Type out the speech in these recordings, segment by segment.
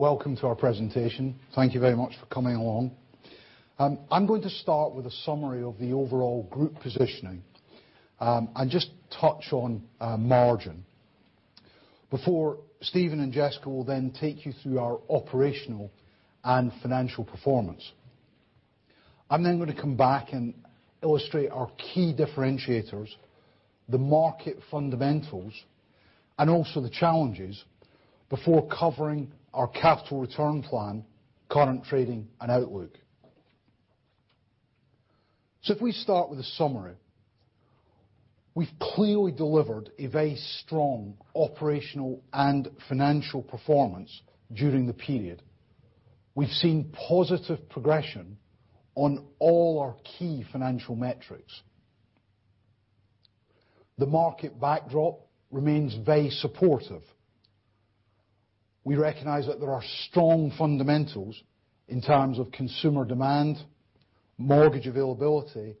Welcome to our presentation. Thank you very much for coming along. I'm going to start with a summary of the overall group positioning, and just touch on margin before Steven and Jessica will then take you through our operational and financial performance. I'm then going to come back and illustrate our key differentiators, the market fundamentals, and also the challenges before covering our capital return plan, current trading, and outlook. If we start with a summary, we've clearly delivered a very strong operational and financial performance during the period. We've seen positive progression on all our key financial metrics. The market backdrop remains very supportive. We recognize that there are strong fundamentals in terms of consumer demand, mortgage availability,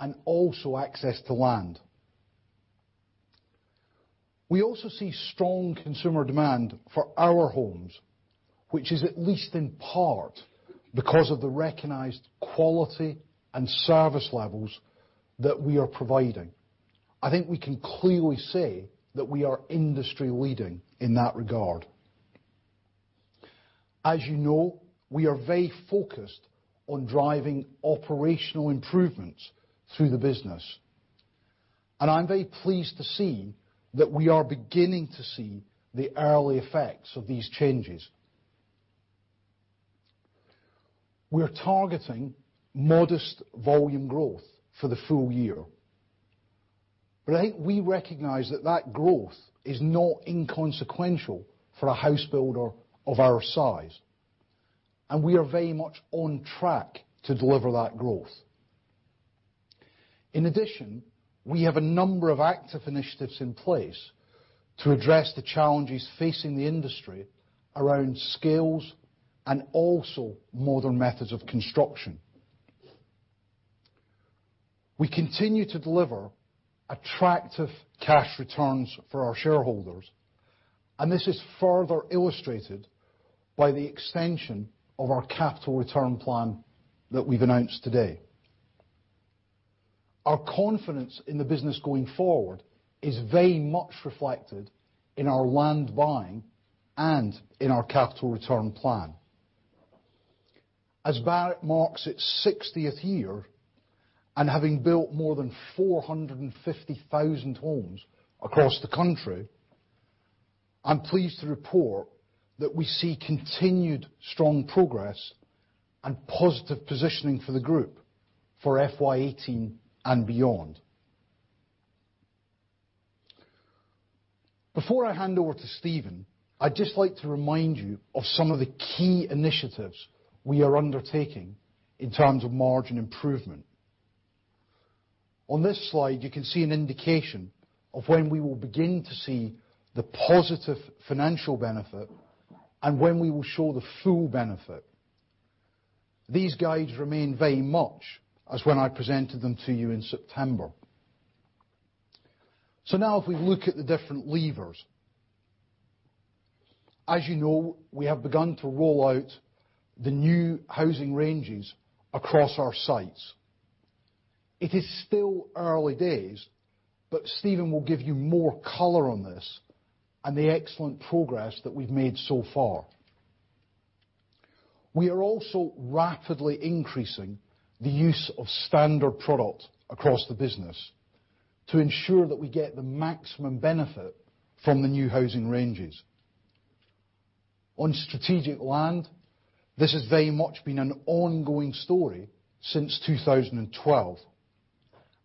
and also access to land. We also see strong consumer demand for our homes, which is at least in part because of the recognized quality and service levels that we are providing. I think we can clearly say that we are industry leading in that regard. As you know, we are very focused on driving operational improvements through the business, and I'm very pleased to see that we are beginning to see the early effects of these changes. We are targeting modest volume growth for the full year. I think we recognize that that growth is not inconsequential for a house builder of our size, and we are very much on track to deliver that growth. In addition, we have a number of active initiatives in place to address the challenges facing the industry around scales and also modern methods of construction. We continue to deliver attractive cash returns for our shareholders. This is further illustrated by the extension of our capital return plan that we've announced today. Our confidence in the business going forward is very much reflected in our land buying and in our capital return plan. As Barratt marks its 60th year, having built more than 450,000 homes across the country, I'm pleased to report that we see continued strong progress and positive positioning for the group for FY 2018 and beyond. Before I hand over to Steven, I'd just like to remind you of some of the key initiatives we are undertaking in terms of margin improvement. On this slide, you can see an indication of when we will begin to see the positive financial benefit and when we will show the full benefit. These guides remain very much as when I presented them to you in September. Now if we look at the different levers. As you know, we have begun to roll out the new housing ranges across our sites. It is still early days, but Steven will give you more color on this and the excellent progress that we've made so far. We are also rapidly increasing the use of standard product across the business to ensure that we get the maximum benefit from the new housing ranges. On strategic land, this has very much been an ongoing story since 2012.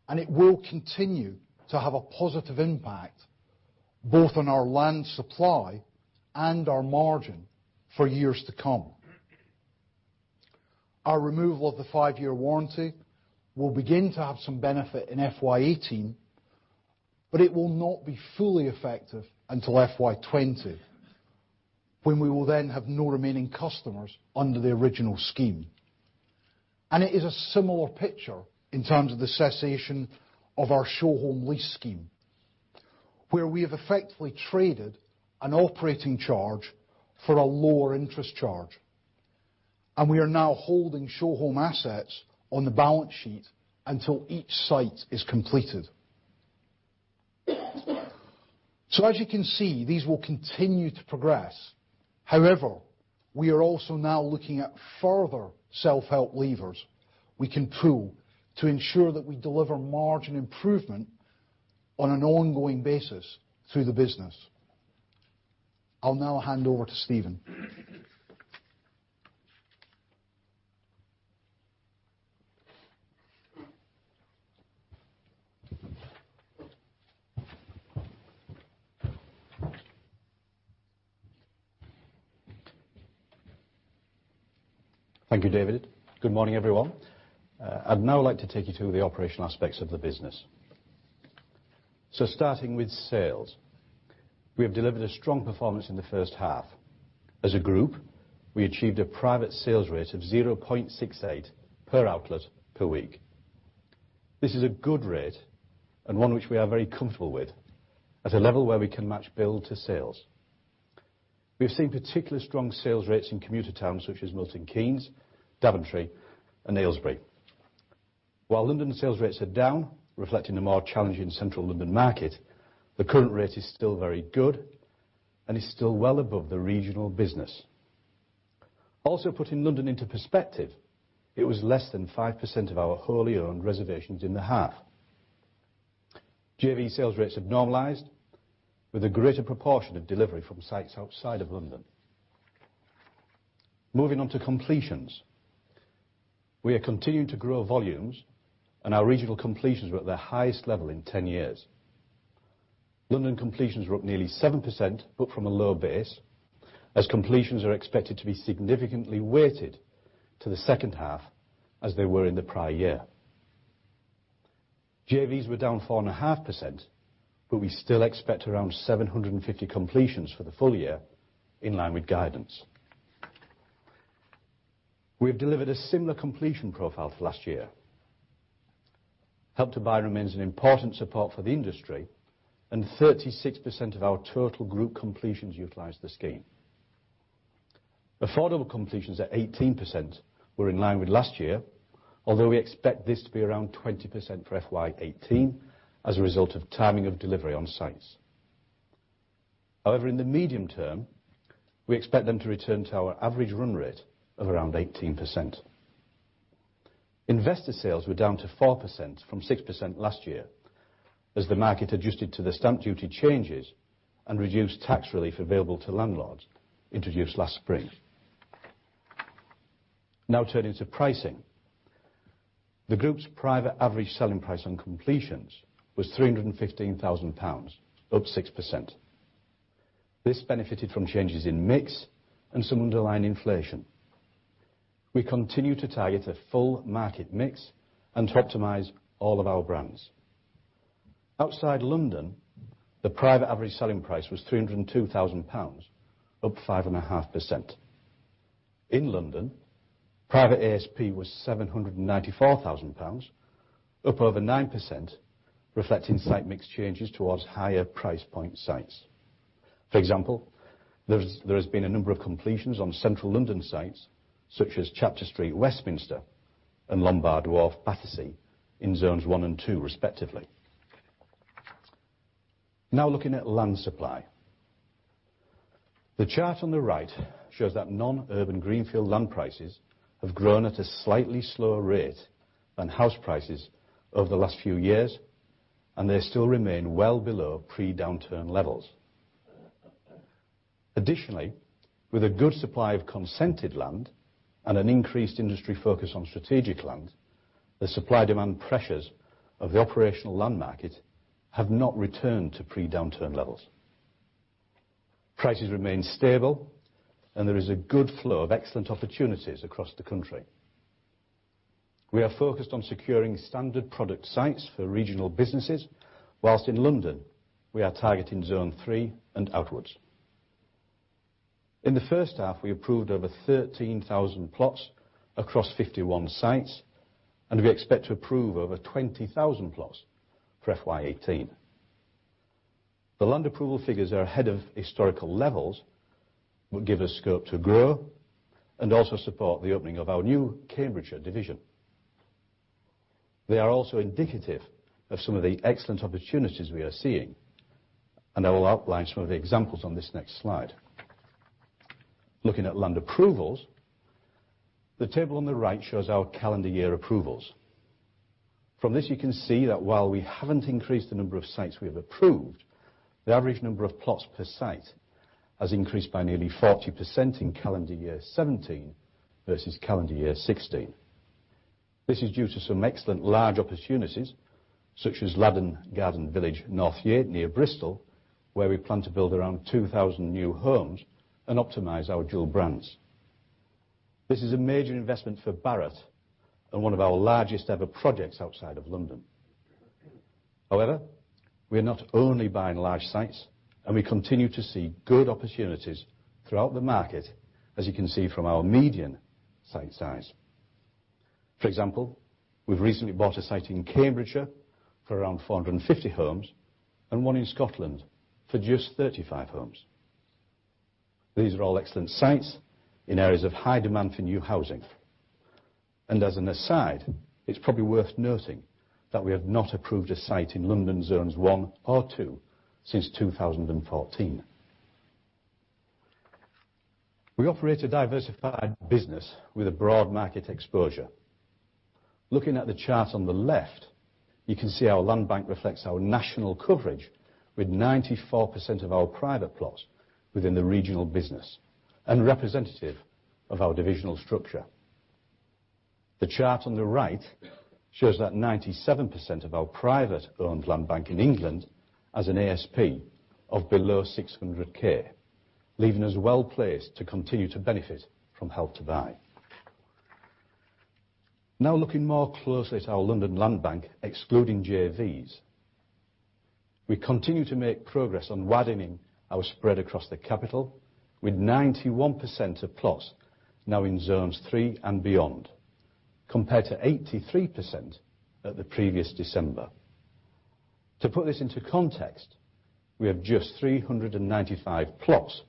It will continue to have a positive impact both on our land supply and our margin for years to come. Our removal of the five-year warranty will begin to have some benefit in FY 2018, but it will not be fully effective until FY 2020, when we will then have no remaining customers under the original scheme. It is a similar picture in terms of the cessation of our show home lease scheme, where we have effectively traded an operating charge for a lower interest charge, and we are now holding show home assets on the balance sheet until each site is completed. As you can see, these will continue to progress. However, we are also now looking at further self-help levers we can pull to ensure that we deliver margin improvement on an ongoing basis through the business. I will now hand over to Steven. Thank you, David. Good morning, everyone. I'd now like to take you through the operational aspects of the business. Starting with sales. We have delivered a strong performance in the first half. As a group, we achieved a private sales rate of 0.68 per outlet per week. This is a good rate, and one which we are very comfortable with, at a level where we can match build to sales. We've seen particularly strong sales rates in commuter towns such as Milton Keynes, Daventry, and Aylesbury. While London sales rates are down, reflecting a more challenging Central London market, the current rate is still very good and is still well above the regional business. Also putting London into perspective, it was less than 5% of our wholly owned reservations in the half. JV sales rates have normalized with a greater proportion of delivery from sites outside of London. Moving on to completions. We are continuing to grow volumes, our regional completions were at their highest level in 10 years. London completions were up nearly 7%, but from a low base, as completions are expected to be significantly weighted to the second half as they were in the prior year. JVs were down 4.5%, but we still expect around 750 completions for the full year, in line with guidance. We have delivered a similar completion profile to last year. Help to Buy remains an important support for the industry, and 36% of our total group completions utilized the scheme. Affordable completions at 18% were in line with last year, although we expect this to be around 20% for FY 2018 as a result of timing of delivery on sites. However, in the medium term, we expect them to return to our average run rate of around 18%. Investor sales were down to 4% from 6% last year as the market adjusted to the stamp duty changes and reduced tax relief available to landlords introduced last spring. Turning to pricing. The group's private average selling price on completions was 315,000 pounds, up 6%. This benefited from changes in mix and some underlying inflation. We continue to target a full market mix and to optimize all of our brands. Outside London, the private average selling price was 302,000 pounds, up 5.5%. In London, private ASP was 794,000 pounds, up over 9%, reflecting site mix changes towards higher price point sites. For example, there has been a number of completions on Central London sites such as Chapter Street, Westminster and Lombard Wharf, Battersea in Zones 1 and 2 respectively. Looking at land supply. The chart on the right shows that non-urban greenfield land prices have grown at a slightly slower rate than house prices over the last few years, and they still remain well below pre-downturn levels. Additionally, with a good supply of consented land and an increased industry focus on strategic land, the supply-demand pressures of the operational land market have not returned to pre-downturn levels. Prices remain stable, and there is a good flow of excellent opportunities across the country. We are focused on securing standard product sites for regional businesses, whilst in London we are targeting Zone 3 and outwards. In the first half, we approved over 13,000 plots across 51 sites, and we expect to approve over 20,000 plots for FY 2018. The land approval figures are ahead of historical levels, will give us scope to grow, and also support the opening of our new Cambridgeshire division. They are also indicative of some of the excellent opportunities we are seeing, and I will outline some of the examples on this next slide. Looking at land approvals, the table on the right shows our calendar year approvals. From this, you can see that while we haven't increased the number of sites we have approved, the average number of plots per site has increased by nearly 40% in calendar year 2017 versus calendar year 2016. This is due to some excellent large opportunities such as Ladden Garden Village, North Yate near Bristol, where we plan to build around 2,000 new homes and optimize our dual brands. This is a major investment for Barratt and one of our largest ever projects outside of London. We are not only buying large sites, and we continue to see good opportunities throughout the market, as you can see from our median site size. For example, we've recently bought a site in Cambridgeshire for around 450 homes and one in Scotland for just 35 homes. These are all excellent sites in areas of high demand for new housing. As an aside, it's probably worth noting that we have not approved a site in London Zones 1 or 2 since 2014. We operate a diversified business with a broad market exposure. Looking at the chart on the left, you can see our land bank reflects our national coverage with 94% of our private plots within the regional business and representative of our divisional structure. The chart on the right shows that 97% of our private owned land bank in England has an ASP of below 600K, leaving us well-placed to continue to benefit from Help to Buy. Now looking more closely at our London land bank, excluding JVs. We continue to make progress on widening our spread across the capital, with 91% of plots now in Zones 3 and beyond, compared to 83% at the previous December. To put this into context, we have just 395 plots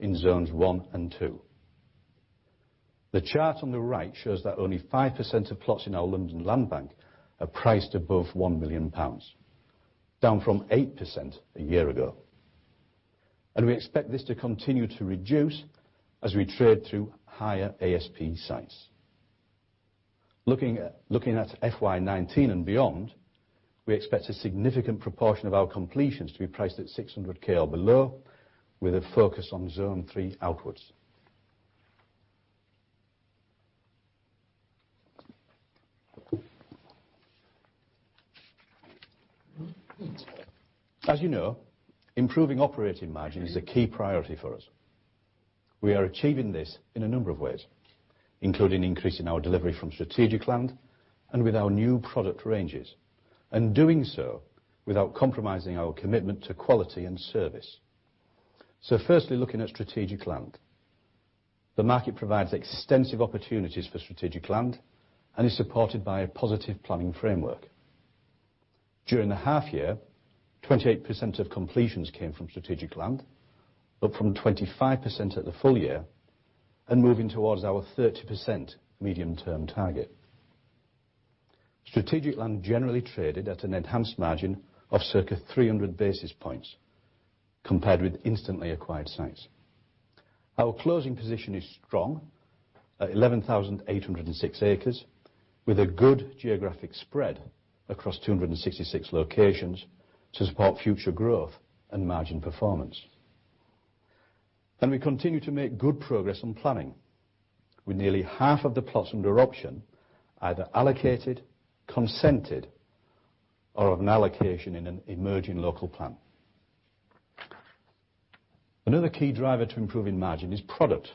in Zones 1 and 2. The chart on the right shows that only 5% of plots in our London land bank are priced above 1 million pounds, down from 8% a year ago, and we expect this to continue to reduce as we trade through higher ASP sites. Looking at FY 2019 and beyond, we expect a significant proportion of our completions to be priced at 600K or below, with a focus on zone three outwards. As you know, improving operating margin is a key priority for us. We are achieving this in a number of ways, including increasing our delivery from strategic land and with our new product ranges, and doing so without compromising our commitment to quality and service. Firstly, looking at strategic land. The market provides extensive opportunities for strategic land and is supported by a positive planning framework. During the half year, 28% of completions came from strategic land, up from 25% at the full year, and moving towards our 30% medium-term target. Strategic land generally traded at an enhanced margin of circa 300 basis points compared with instantly acquired sites. Our closing position is strong at 11,806 acres, with a good geographic spread across 266 locations to support future growth and margin performance. We continue to make good progress on planning, with nearly half of the plots under option either allocated, consented, or have an allocation in an emerging local plan. Another key driver to improving margin is product.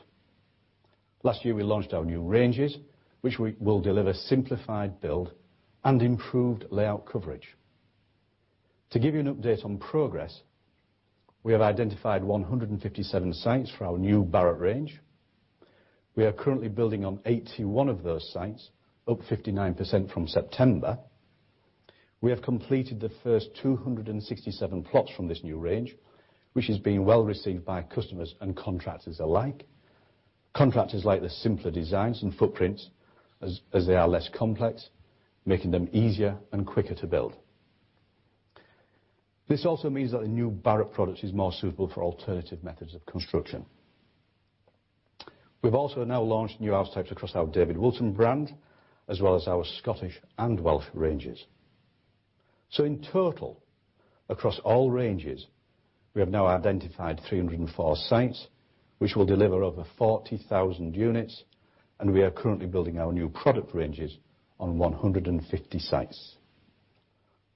Last year, we launched our new ranges, which will deliver simplified build and improved layout coverage. To give you an update on progress, we have identified 157 sites for our new Barratt Homes range. We are currently building on 81 of those sites, up 59% from September. We have completed the first 267 plots from this new range, which has been well received by customers and contractors alike. Contractors like the simpler designs and footprints as they are less complex, making them easier and quicker to build. This also means that the new Barratt Homes product is more suitable for alternative methods of construction. We've also now launched new house types across our David Wilson Homes brand, as well as our Scottish and Welsh ranges. In total, across all ranges, we have now identified 304 sites, which will deliver over 40,000 units, and we are currently building our new product ranges on 150 sites.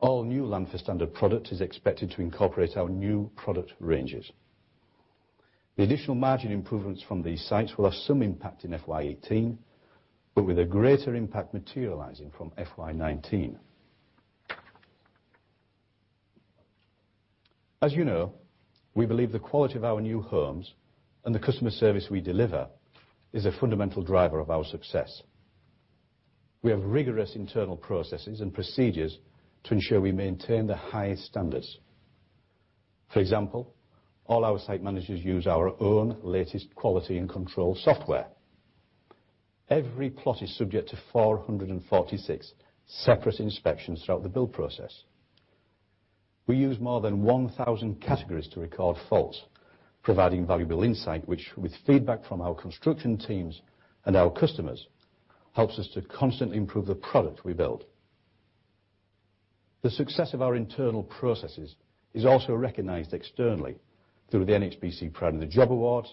All new land for standard product is expected to incorporate our new product ranges. The additional margin improvements from these sites will have some impact in FY 2018, but with a greater impact materializing from FY 2019. As you know, we believe the quality of our new homes and the customer service we deliver is a fundamental driver of our success. We have rigorous internal processes and procedures to ensure we maintain the highest standards. For example, all our site managers use our own latest quality and control software. Every plot is subject to 446 separate inspections throughout the build process. We use more than 1,000 categories to record faults, providing valuable insight which, with feedback from our construction teams and our customers, helps us to constantly improve the product we build. The success of our internal processes is also recognized externally through the NHBC Pride in the Job award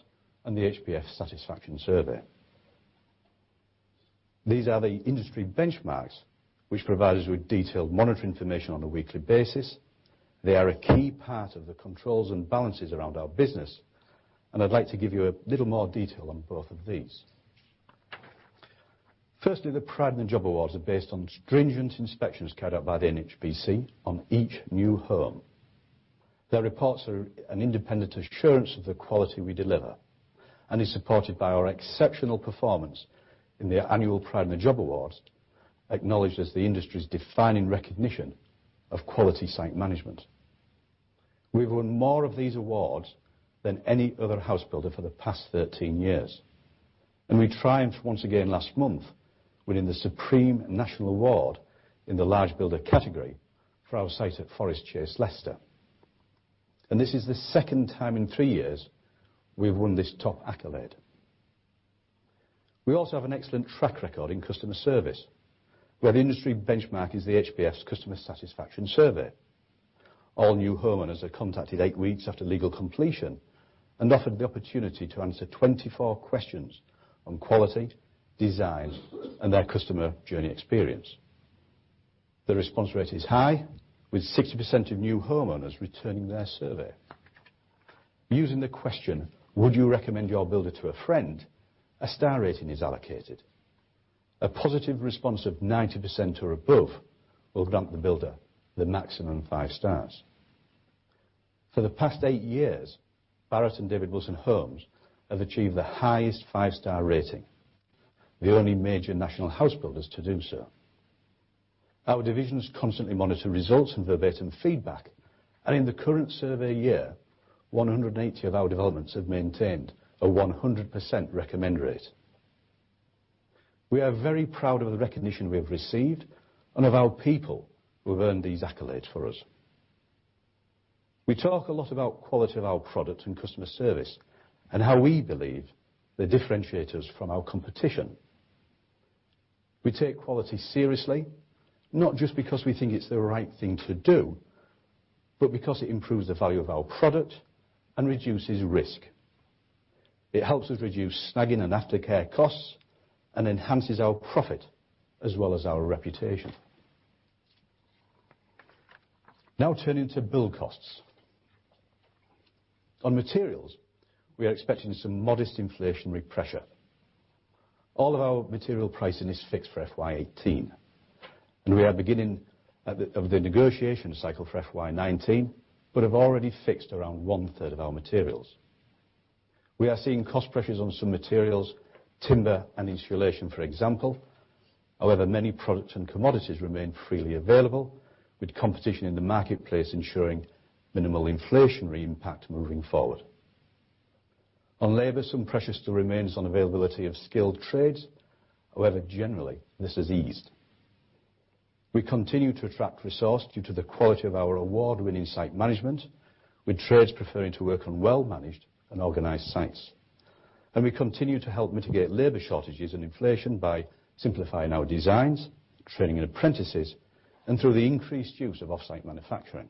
and the HBF satisfaction survey. These are the industry benchmarks which provide us with detailed monitoring information on a weekly basis. They are a key part of the controls and balances around our business, I'd like to give you a little more detail on both of these. Firstly, the Pride in the Job awards are based on stringent inspections carried out by the NHBC on each new home. Their reports are an independent assurance of the quality we deliver and is supported by our exceptional performance in their annual Pride in the Job Awards, acknowledged as the industry's defining recognition of quality site management. We've won more of these awards than any other housebuilder for the past 13 years. We triumphed once again last month, winning the supreme national award in the large builder category for our site at Forest Chase, Leicester. This is the second time in three years we've won this top accolade. We also have an excellent track record in customer service, where the industry benchmark is the HBF's customer satisfaction survey. All new homeowners are contacted eight weeks after legal completion and offered the opportunity to answer 24 questions on quality, design, and their customer journey experience. The response rate is high, with 60% of new homeowners returning their survey. Using the question: Would you recommend your builder to a friend? A star rating is allocated. A positive response of 90% or above will grant the builder the maximum five stars. For the past eight years, Barratt and David Wilson Homes have achieved the highest five-star rating, the only major national housebuilders to do so. Our divisions constantly monitor results and verbatim feedback. In the current survey year, 180 of our developments have maintained a 100% recommend rate. We are very proud of the recognition we have received and of our people who have earned these accolades for us. We talk a lot about quality of our product and customer service, and how we believe they differentiate us from our competition. We take quality seriously, not just because we think it's the right thing to do, but because it improves the value of our product and reduces risk. It helps us reduce snagging and aftercare costs and enhances our profit as well as our reputation. Now turning to build costs. On materials, we are expecting some modest inflationary pressure. All of our material pricing is fixed for FY 2018, and we are beginning of the negotiation cycle for FY 2019, but have already fixed around one third of our materials. We are seeing cost pressures on some materials, timber and insulation, for example. However, many products and commodities remain freely available, with competition in the marketplace ensuring minimal inflationary impact moving forward. On labor, some pressures still remains on availability of skilled trades. However, generally, this has eased. We continue to attract resource due to the quality of our award-winning site management, with trades preferring to work on well-managed and organized sites. We continue to help mitigate labor shortages and inflation by simplifying our designs, training new apprentices, and through the increased use of off-site manufacturing.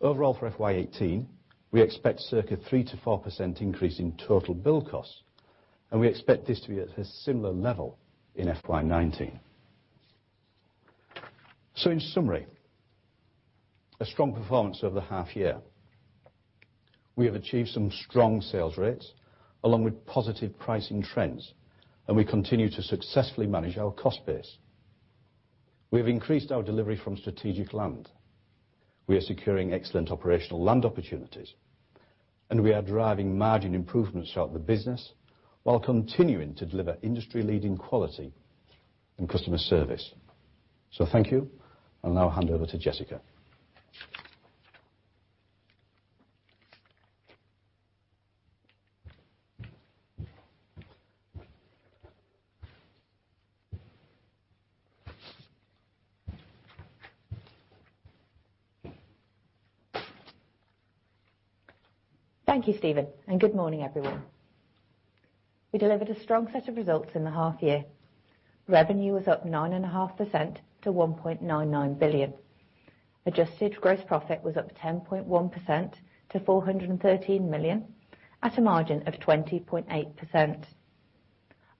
Overall, for FY 2018, we expect circa 3%-4% increase in total build costs, and we expect this to be at a similar level in FY 2019. In summary, a strong performance over the half year. We have achieved some strong sales rates along with positive pricing trends, and we continue to successfully manage our cost base. We have increased our delivery from strategic land. We are securing excellent operational land opportunities, and we are driving margin improvements throughout the business while continuing to deliver industry-leading quality and customer service. Thank you. I'll now hand over to Jessica. Thank you, Steven, good morning, everyone. We delivered a strong set of results in the half year. Revenue was up 9.5% to 1.99 billion. Adjusted gross profit was up 10.1% to 413 million at a margin of 20.8%.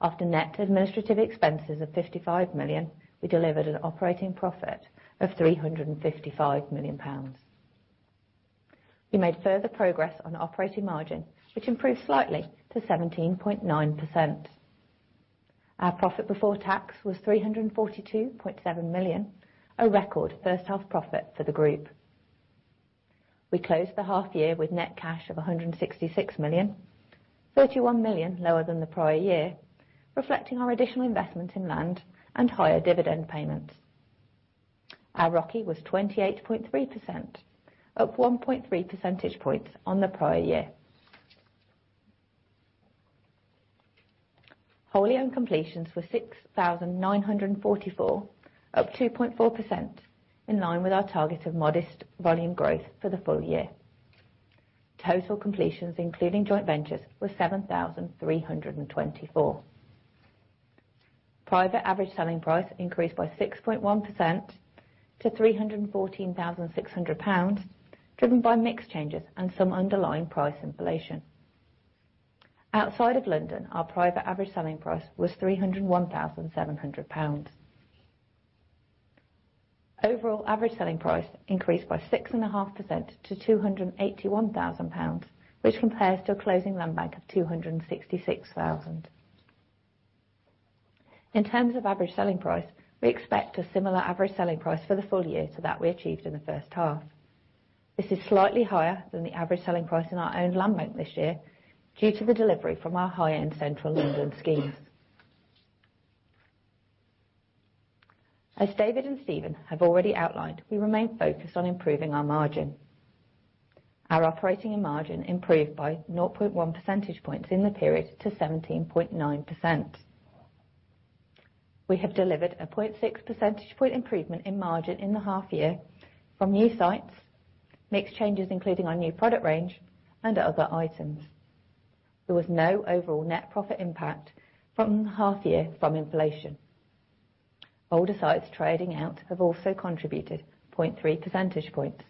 After net administrative expenses of 55 million, we delivered an operating profit of 355 million pounds. We made further progress on operating margin, which improved slightly to 17.9%. Our profit before tax was 342.7 million, a record first half profit for the group. We closed the half year with net cash of 166 million, 31 million lower than the prior year, reflecting our additional investment in land and higher dividend payments. Our ROCE was 28.3%, up 1.3 percentage points on the prior year. Wholly owned completions were 6,944, up 2.4%, in line with our target of modest volume growth for the full year. Total completions, including joint ventures, were 7,324. Private average selling price increased by 6.1% to 314,600 pounds, driven by mix changes and some underlying price inflation. Outside of London, our private average selling price was 301,700 pounds. Overall average selling price increased by 6.5% to 281,000 pounds, which compares to a closing land bank of 266,000. In terms of average selling price, we expect a similar average selling price for the full year to that we achieved in the first half. This is slightly higher than the average selling price in our owned land bank this year due to the delivery from our high-end central London schemes. As David and Steven have already outlined, we remain focused on improving our margin. Our operating margin improved by 0.1 percentage points in the period to 17.9%. We have delivered a 0.6 percentage point improvement in margin in the half year from new sites, mix changes including our new product range, and other items. There was no overall net profit impact from the half year from inflation. Older sites trading out have also contributed 0.3 percentage points.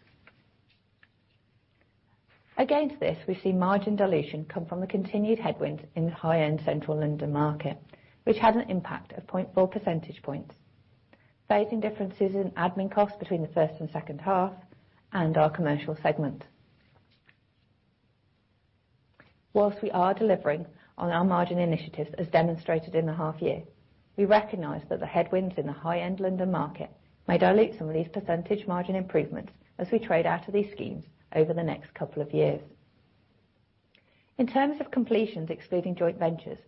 Against this, we've seen margin dilution come from the continued headwinds in the high-end central London market, which had an impact of 0.4 percentage points. Phasing differences in admin costs between the first and second half and our commercial segment. Whilst we are delivering on our margin initiatives, as demonstrated in the half year, we recognize that the headwinds in the high-end London market may dilute some of these percentage margin improvements as we trade out of these schemes over the next couple of years. In terms of completions excluding joint ventures,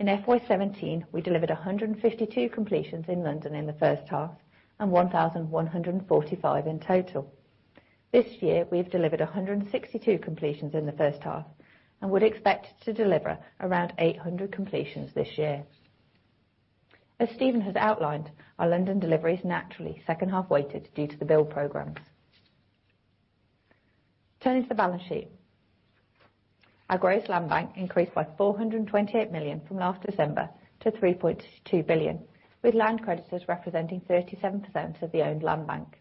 in FY 2017, we delivered 152 completions in London in the first half and 1,145 in total. This year, we've delivered 162 completions in the first half and would expect to deliver around 800 completions this year. As Steven has outlined, our London delivery is naturally second-half weighted due to the build programs. Turning to the balance sheet. Our gross land bank increased by 428 million from last December to 3.2 billion, with land creditors representing 37% of the owned land bank.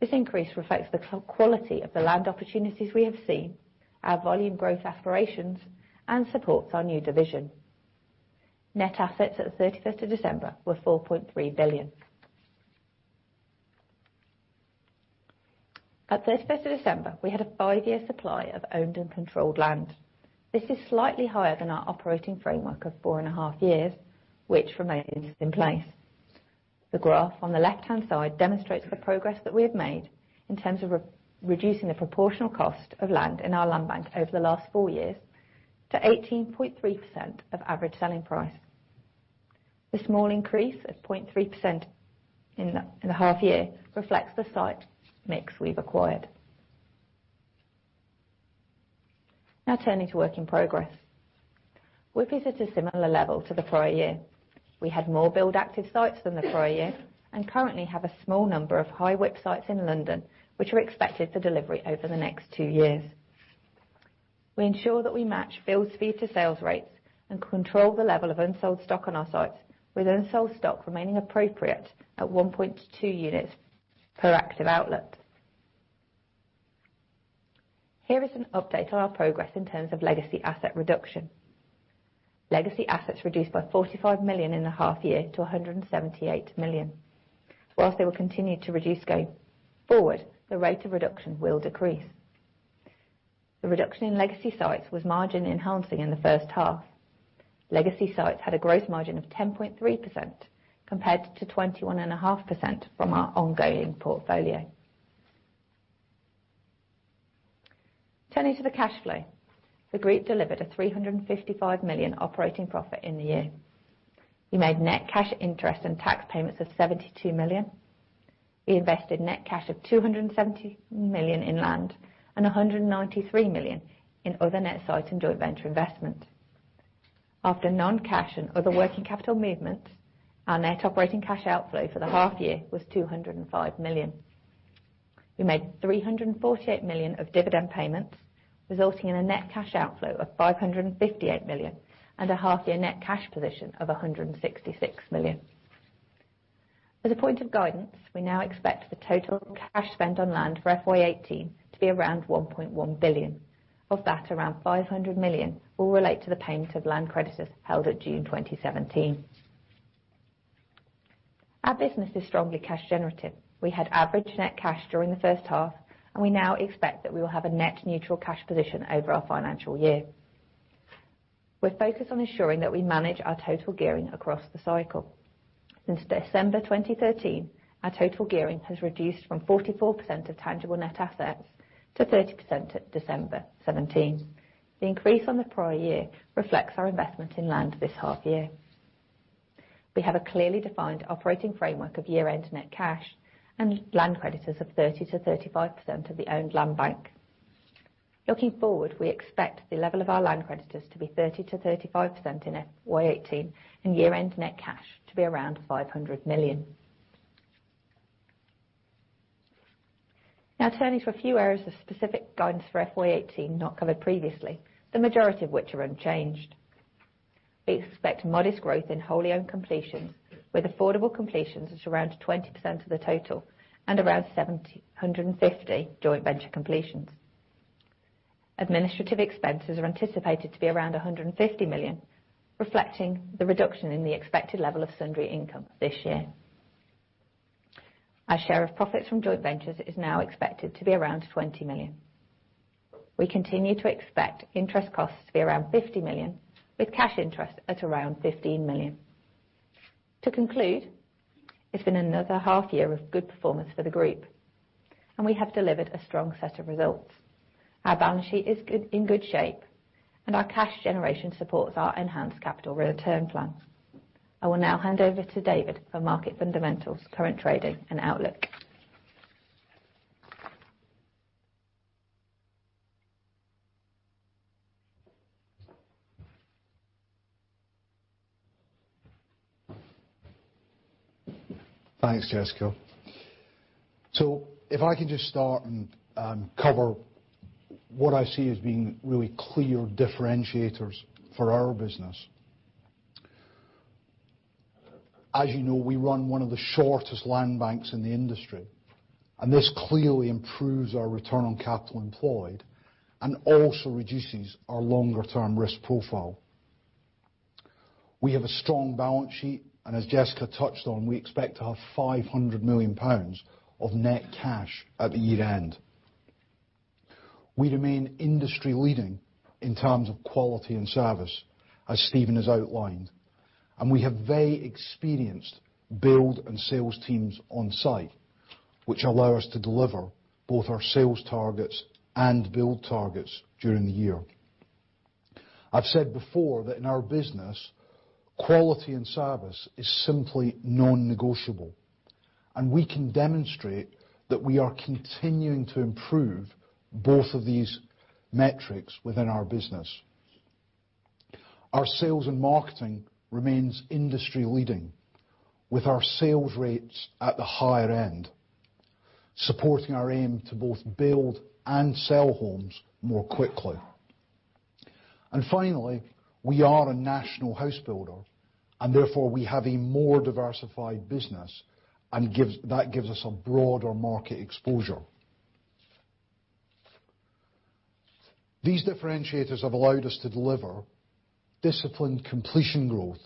This increase reflects the quality of the land opportunities we have seen, our volume growth aspirations, and supports our new division. Net assets at the 31st of December were 4.3 billion. At 31st of December, we had a five-year supply of owned and controlled land. This is slightly higher than our operating framework of four and a half years, which remains in place. The graph on the left-hand side demonstrates the progress that we have made in terms of reducing the proportional cost of land in our land bank over the last four years to 18.3% of average selling price. The small increase of 0.3% in the half year reflects the site mix we've acquired. Turning to work in progress. WIP is at a similar level to the prior year. We had more build-active sites than the prior year, and currently have a small number of high WIP sites in London, which are expected for delivery over the next two years. We ensure that we match build speed to sales rates and control the level of unsold stock on our sites, with unsold stock remaining appropriate at 1.2 units per active outlet. Here is an update on our progress in terms of legacy asset reduction. Legacy assets reduced by 45 million in the half year to 178 million. Whilst they will continue to reduce going forward, the rate of reduction will decrease. The reduction in legacy sites was margin-enhancing in the first half. Legacy sites had a gross margin of 10.3% compared to 21.5% from our ongoing portfolio. Turning to the cash flow. The group delivered a 355 million operating profit in the year. We made net cash interest and tax payments of 72 million. We invested net cash of 270 million in land and 193 million in other net sites and joint venture investment. After non-cash and other working capital movements, our net operating cash outflow for the half year was 205 million. We made 348 million of dividend payments, resulting in a net cash outflow of 558 million and a half year net cash position of 166 million. As a point of guidance, we now expect the total cash spent on land for FY 2018 to be around 1.1 billion. Of that, around 500 million will relate to the payment of land creditors held at June 2017. Our business is strongly cash generative. We had average net cash during the first half, and we now expect that we will have a net neutral cash position over our financial year. We're focused on ensuring that we manage our total gearing across the cycle. Since December 2013, our total gearing has reduced from 44% of tangible net assets to 30% at December 2017. The increase on the prior year reflects our investment in land this half year. We have a clearly defined operating framework of year-end net cash and land creditors of 30%-35% of the owned land bank. Looking forward, we expect the level of our land creditors to be 30%-35% in FY 2018 and year-end net cash to be around 500 million. Turning to a few areas of specific guidance for FY 2018 not covered previously, the majority of which are unchanged. We expect modest growth in wholly owned completions, with affordable completions at around 20% of the total and around 750 joint venture completions. Administrative expenses are anticipated to be around 150 million, reflecting the reduction in the expected level of sundry income this year. Our share of profits from joint ventures is now expected to be around 20 million. We continue to expect interest costs to be around 50 million, with cash interest at around 15 million. To conclude, it's been another half year of good performance for the group. We have delivered a strong set of results. Our balance sheet is in good shape. Our cash generation supports our enhanced capital return plan. I will now hand over to David for market fundamentals, current trading, and outlook. Thanks, Jessica. If I can just start and cover what I see as being really clear differentiators for our business. As you know, we run one of the shortest land banks in the industry. This clearly improves our return on capital employed, and also reduces our longer-term risk profile. We have a strong balance sheet. As Jessica touched on, we expect to have 500 million pounds of net cash at the year-end. We remain industry-leading in terms of quality and service, as Steven has outlined. We have very experienced build and sales teams on site, which allow us to deliver both our sales targets and build targets during the year. I've said before that in our business, quality and service is simply non-negotiable. We can demonstrate that we are continuing to improve both of these metrics within our business. Our sales and marketing remains industry-leading, with our sales rates at the higher end, supporting our aim to both build and sell homes more quickly. Finally, we are a national house builder. Therefore, we have a more diversified business. That gives us a broader market exposure. These differentiators have allowed us to deliver disciplined completion growth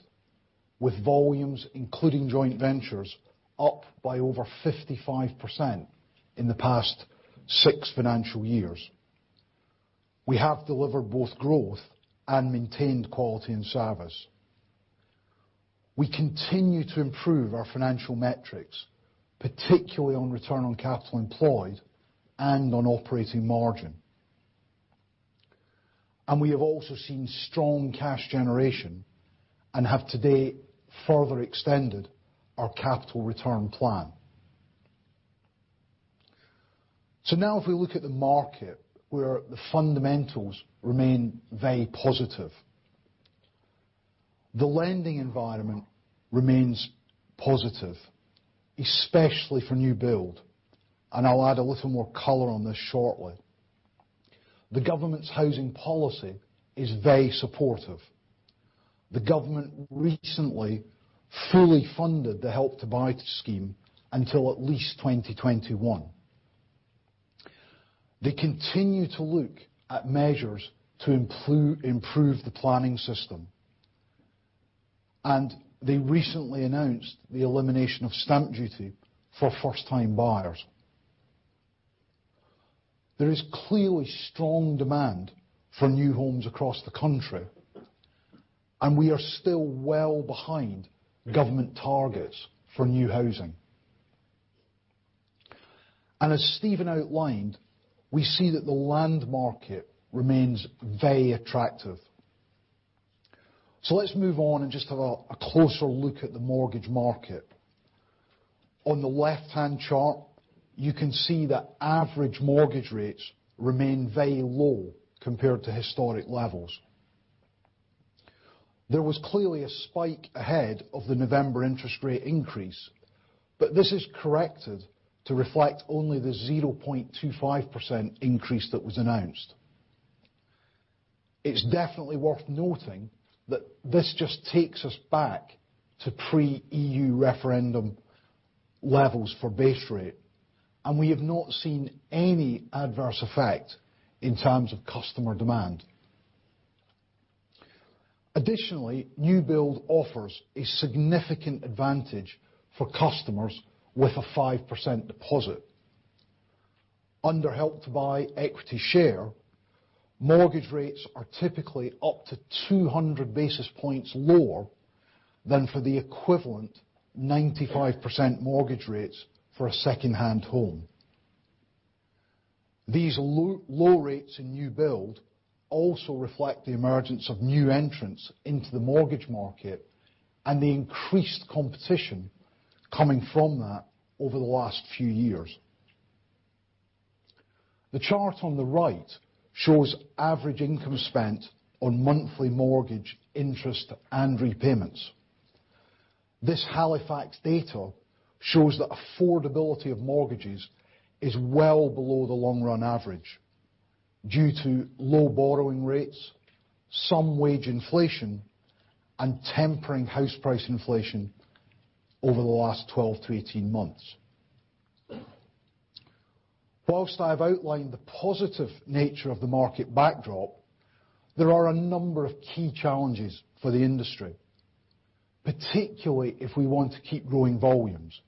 with volumes, including joint ventures, up by over 55% in the past six financial years. We have delivered both growth and maintained quality and service. We continue to improve our financial metrics, particularly on return on capital employed and on operating margin. We have also seen strong cash generation and have today further extended our capital return plan. Now if we look at the market, where the fundamentals remain very positive. The lending environment remains positive, especially for new build. I'll add a little more color on this shortly. The government's housing policy is very supportive. The government recently fully funded the Help to Buy scheme until at least 2021. They continue to look at measures to improve the planning system. They recently announced the elimination of stamp duty for first-time buyers. There is clearly strong demand for new homes across the country. We are still well behind government targets for new housing. As Steven outlined, we see that the land market remains very attractive. Let's move on and just have a closer look at the mortgage market. On the left-hand chart, you can see that average mortgage rates remain very low compared to historic levels. There was clearly a spike ahead of the November interest rate increase. This has corrected to reflect only the 0.25% increase that was announced. It's definitely worth noting that this just takes us back to pre-EU referendum levels for base rate, and we have not seen any adverse effect in terms of customer demand. Additionally, new build offers a significant advantage for customers with a 5% deposit. Under Help to Buy Equity Share, mortgage rates are typically up to 200 basis points lower than for the equivalent 95% mortgage rates for a second-hand home. These low rates in new build also reflect the emergence of new entrants into the mortgage market and the increased competition coming from that over the last few years. The chart on the right shows average income spent on monthly mortgage interest and repayments. This Halifax data shows that affordability of mortgages is well below the long-run average due to low borrowing rates, some wage inflation, and tempering house price inflation over the last 12 to 18 months. Whilst I've outlined the positive nature of the market backdrop, there are a number of key challenges for the industry, particularly if we want to keep growing volumes.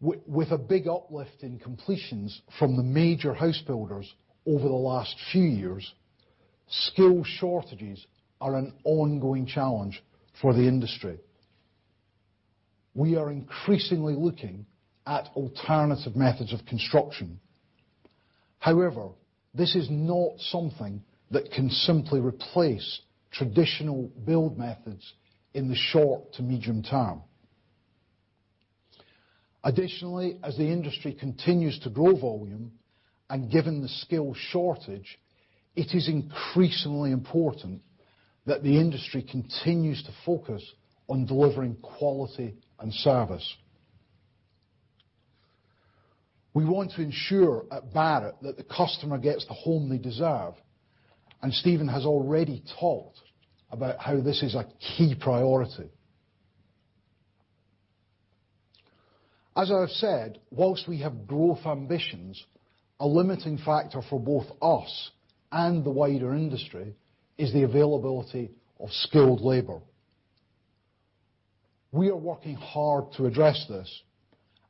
With a big uplift in completions from the major house builders over the last few years, skill shortages are an ongoing challenge for the industry. We are increasingly looking at alternative methods of construction. However, this is not something that can simply replace traditional build methods in the short to medium term. Additionally, as the industry continues to grow volume and given the skills shortage, it is increasingly important that the industry continues to focus on delivering quality and service. We want to ensure at Barratt that the customer gets the home they deserve, and Steven has already talked about how this is a key priority. As I've said, whilst we have growth ambitions, a limiting factor for both us and the wider industry is the availability of skilled labor. We are working hard to address this,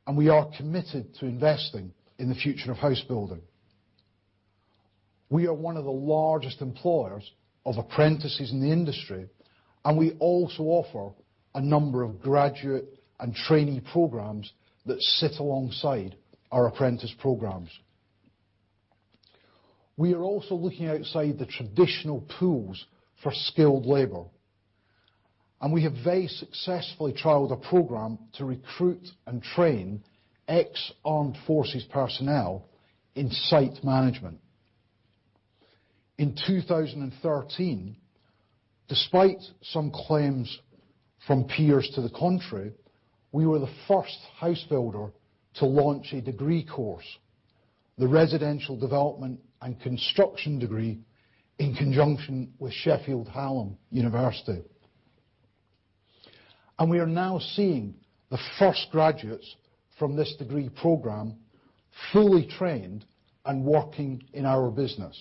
and we are committed to investing in the future of house building. We are one of the largest employers of apprentices in the industry, and we also offer a number of graduate and trainee programs that sit alongside our apprentice programs. We are also looking outside the traditional pools for skilled labor, and we have very successfully trialed a program to recruit and train ex-armed forces personnel in site management. In 2013, despite some claims from peers to the contrary, we were the first house builder to launch a degree course, the Residential Development and Construction degree, in conjunction with Sheffield Hallam University. We are now seeing the first graduates from this degree program fully trained and working in our business.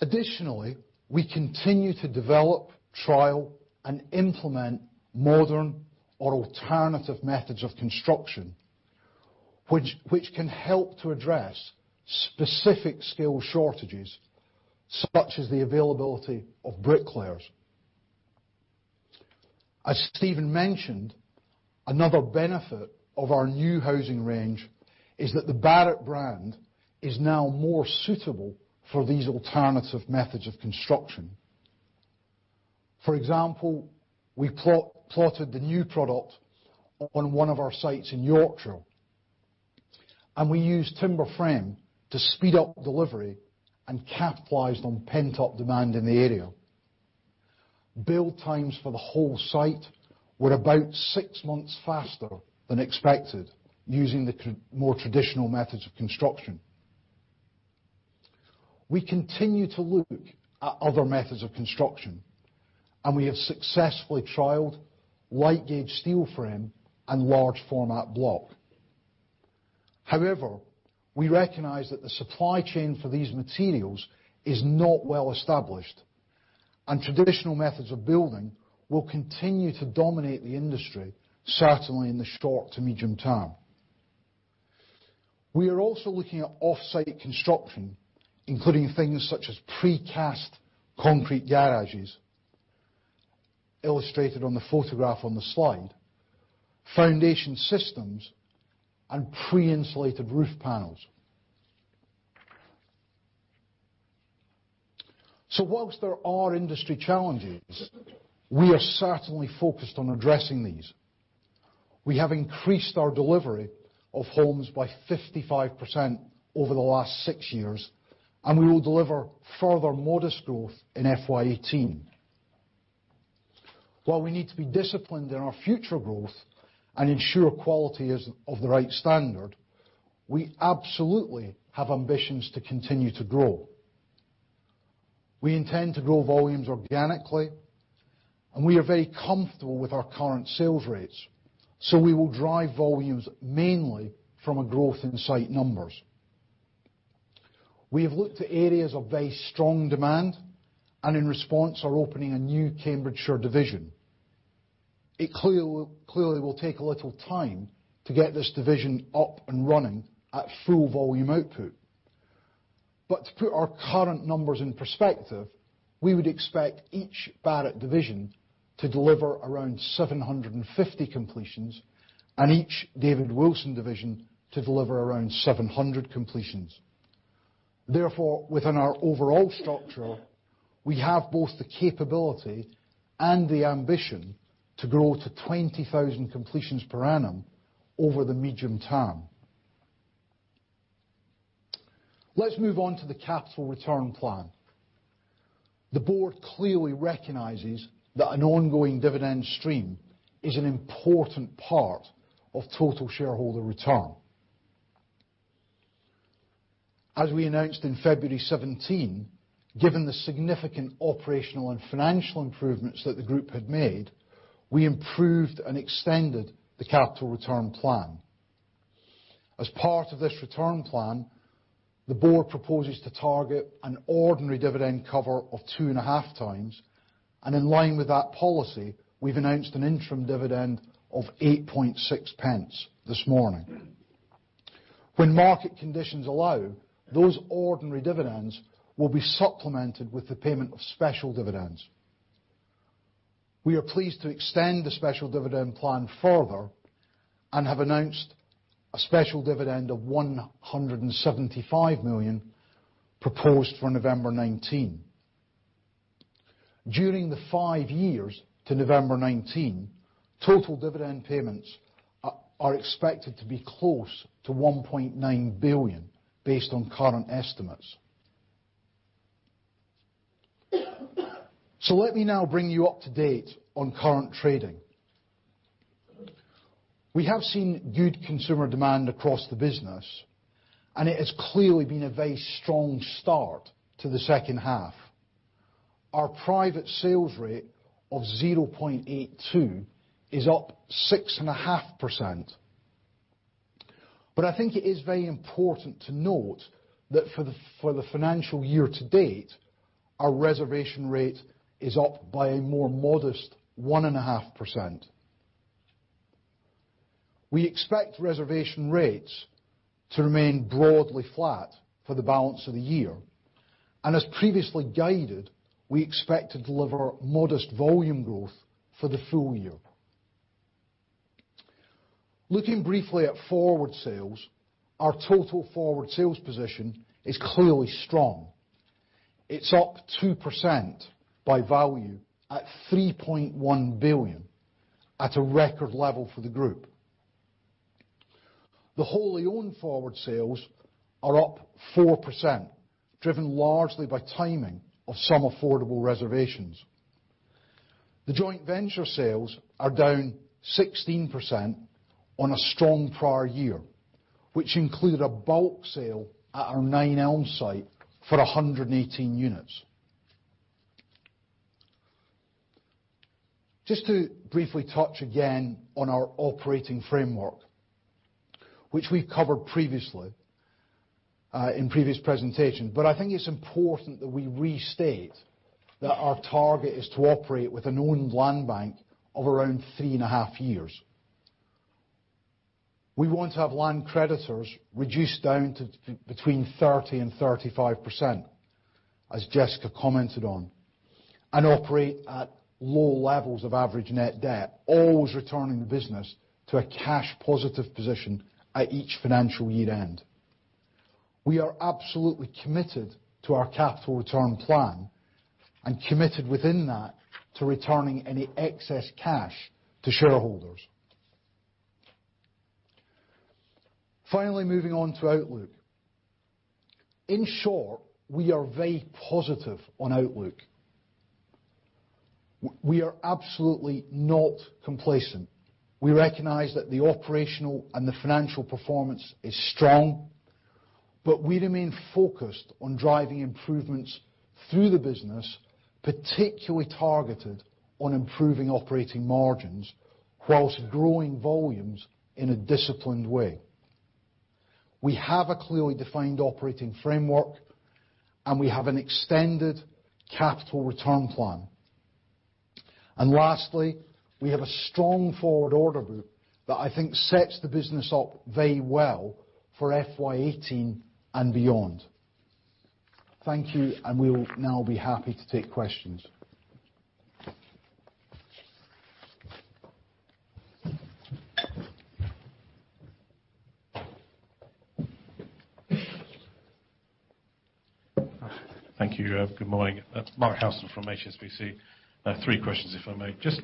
Additionally, we continue to develop, trial, and implement modern or alternative methods of construction, which can help to address specific skill shortages, such as the availability of bricklayers. As Steven mentioned, another benefit of our new housing range is that the Barratt brand is now more suitable for these alternative methods of construction. For example, we plotted the new product on one of our sites in Yorkshire, and we used timber frame to speed up delivery and capitalized on pent-up demand in the area. Build times for the whole site were about six months faster than expected using the more traditional methods of construction. We continue to look at other methods of construction, and we have successfully trialed light gauge steel frame and large format block. We recognize that the supply chain for these materials is not well established. Traditional methods of building will continue to dominate the industry, certainly in the short to medium term. We are also looking at offsite construction, including things such as precast concrete garages, illustrated on the photograph on the slide, foundation systems, and pre-insulated roof panels. Whilst there are industry challenges, we are certainly focused on addressing these. We have increased our delivery of homes by 55% over the last six years, and we will deliver further modest growth in FY 2018. While we need to be disciplined in our future growth and ensure quality is of the right standard, we absolutely have ambitions to continue to grow. We intend to grow volumes organically, and we are very comfortable with our current sales rates. We will drive volumes mainly from a growth in site numbers. We have looked at areas of very strong demand, and in response are opening a new Cambridgeshire division. It clearly will take a little time to get this division up and running at full volume output. To put our current numbers in perspective, we would expect each Barratt division to deliver around 750 completions, and each David Wilson division to deliver around 700 completions. Therefore, within our overall structure, we have both the capability and the ambition to grow to 20,000 completions per annum over the medium term. Let's move on to the capital return plan. The board clearly recognizes that an ongoing dividend stream is an important part of total shareholder return. As we announced in February 2017, given the significant operational and financial improvements that the group had made, we improved and extended the capital return plan. As part of this return plan, the board proposes to target an ordinary dividend cover of two and a half times. In line with that policy, we've announced an interim dividend of 0.086 this morning. When market conditions allow, those ordinary dividends will be supplemented with the payment of special dividends. We are pleased to extend the special dividend plan further and have announced a special dividend of 175 million proposed for November 2019. During the five years to November 2019, total dividend payments are expected to be close to 1.9 billion based on current estimates. Let me now bring you up to date on current trading. We have seen good consumer demand across the business, and it has clearly been a very strong start to the second half. Our private sales rate of 0.82 is up 6.5%. I think it is very important to note that for the financial year to date, our reservation rate is up by a more modest 1.5%. We expect reservation rates to remain broadly flat for the balance of the year. As previously guided, we expect to deliver modest volume growth for the full year. Looking briefly at forward sales, our total forward sales position is clearly strong. It's up 2% by value at 3.1 billion, at a record level for the group. The wholly owned forward sales are up 4%, driven largely by timing of some affordable reservations. The joint venture sales are down 16% on a strong prior year, which included a bulk sale at our Nine Elms site for 118 units. Just to briefly touch again on our operating framework, which we covered previously, in previous presentation. I think it's important that we restate that our target is to operate with an owned land bank of around three and a half years. We want to have land creditors reduced down to between 30%-35%, as Jessica commented on, and operate at low levels of average net debt, always returning the business to a cash positive position at each financial year-end. We are absolutely committed to our capital return plan, and committed within that to returning any excess cash to shareholders. Moving on to outlook. In short, we are very positive on outlook. We are absolutely not complacent. We recognize that the operational and the financial performance is strong, but we remain focused on driving improvements through the business, particularly targeted on improving operating margins while growing volumes in a disciplined way. We have a clearly defined operating framework, we have an extended capital return plan. Lastly, we have a strong forward order book that I think sets the business up very well for FY 2018 and beyond. Thank you, we will now be happy to take questions. Thank you. Good morning. Mark Houston from HSBC. Three questions, if I may. Just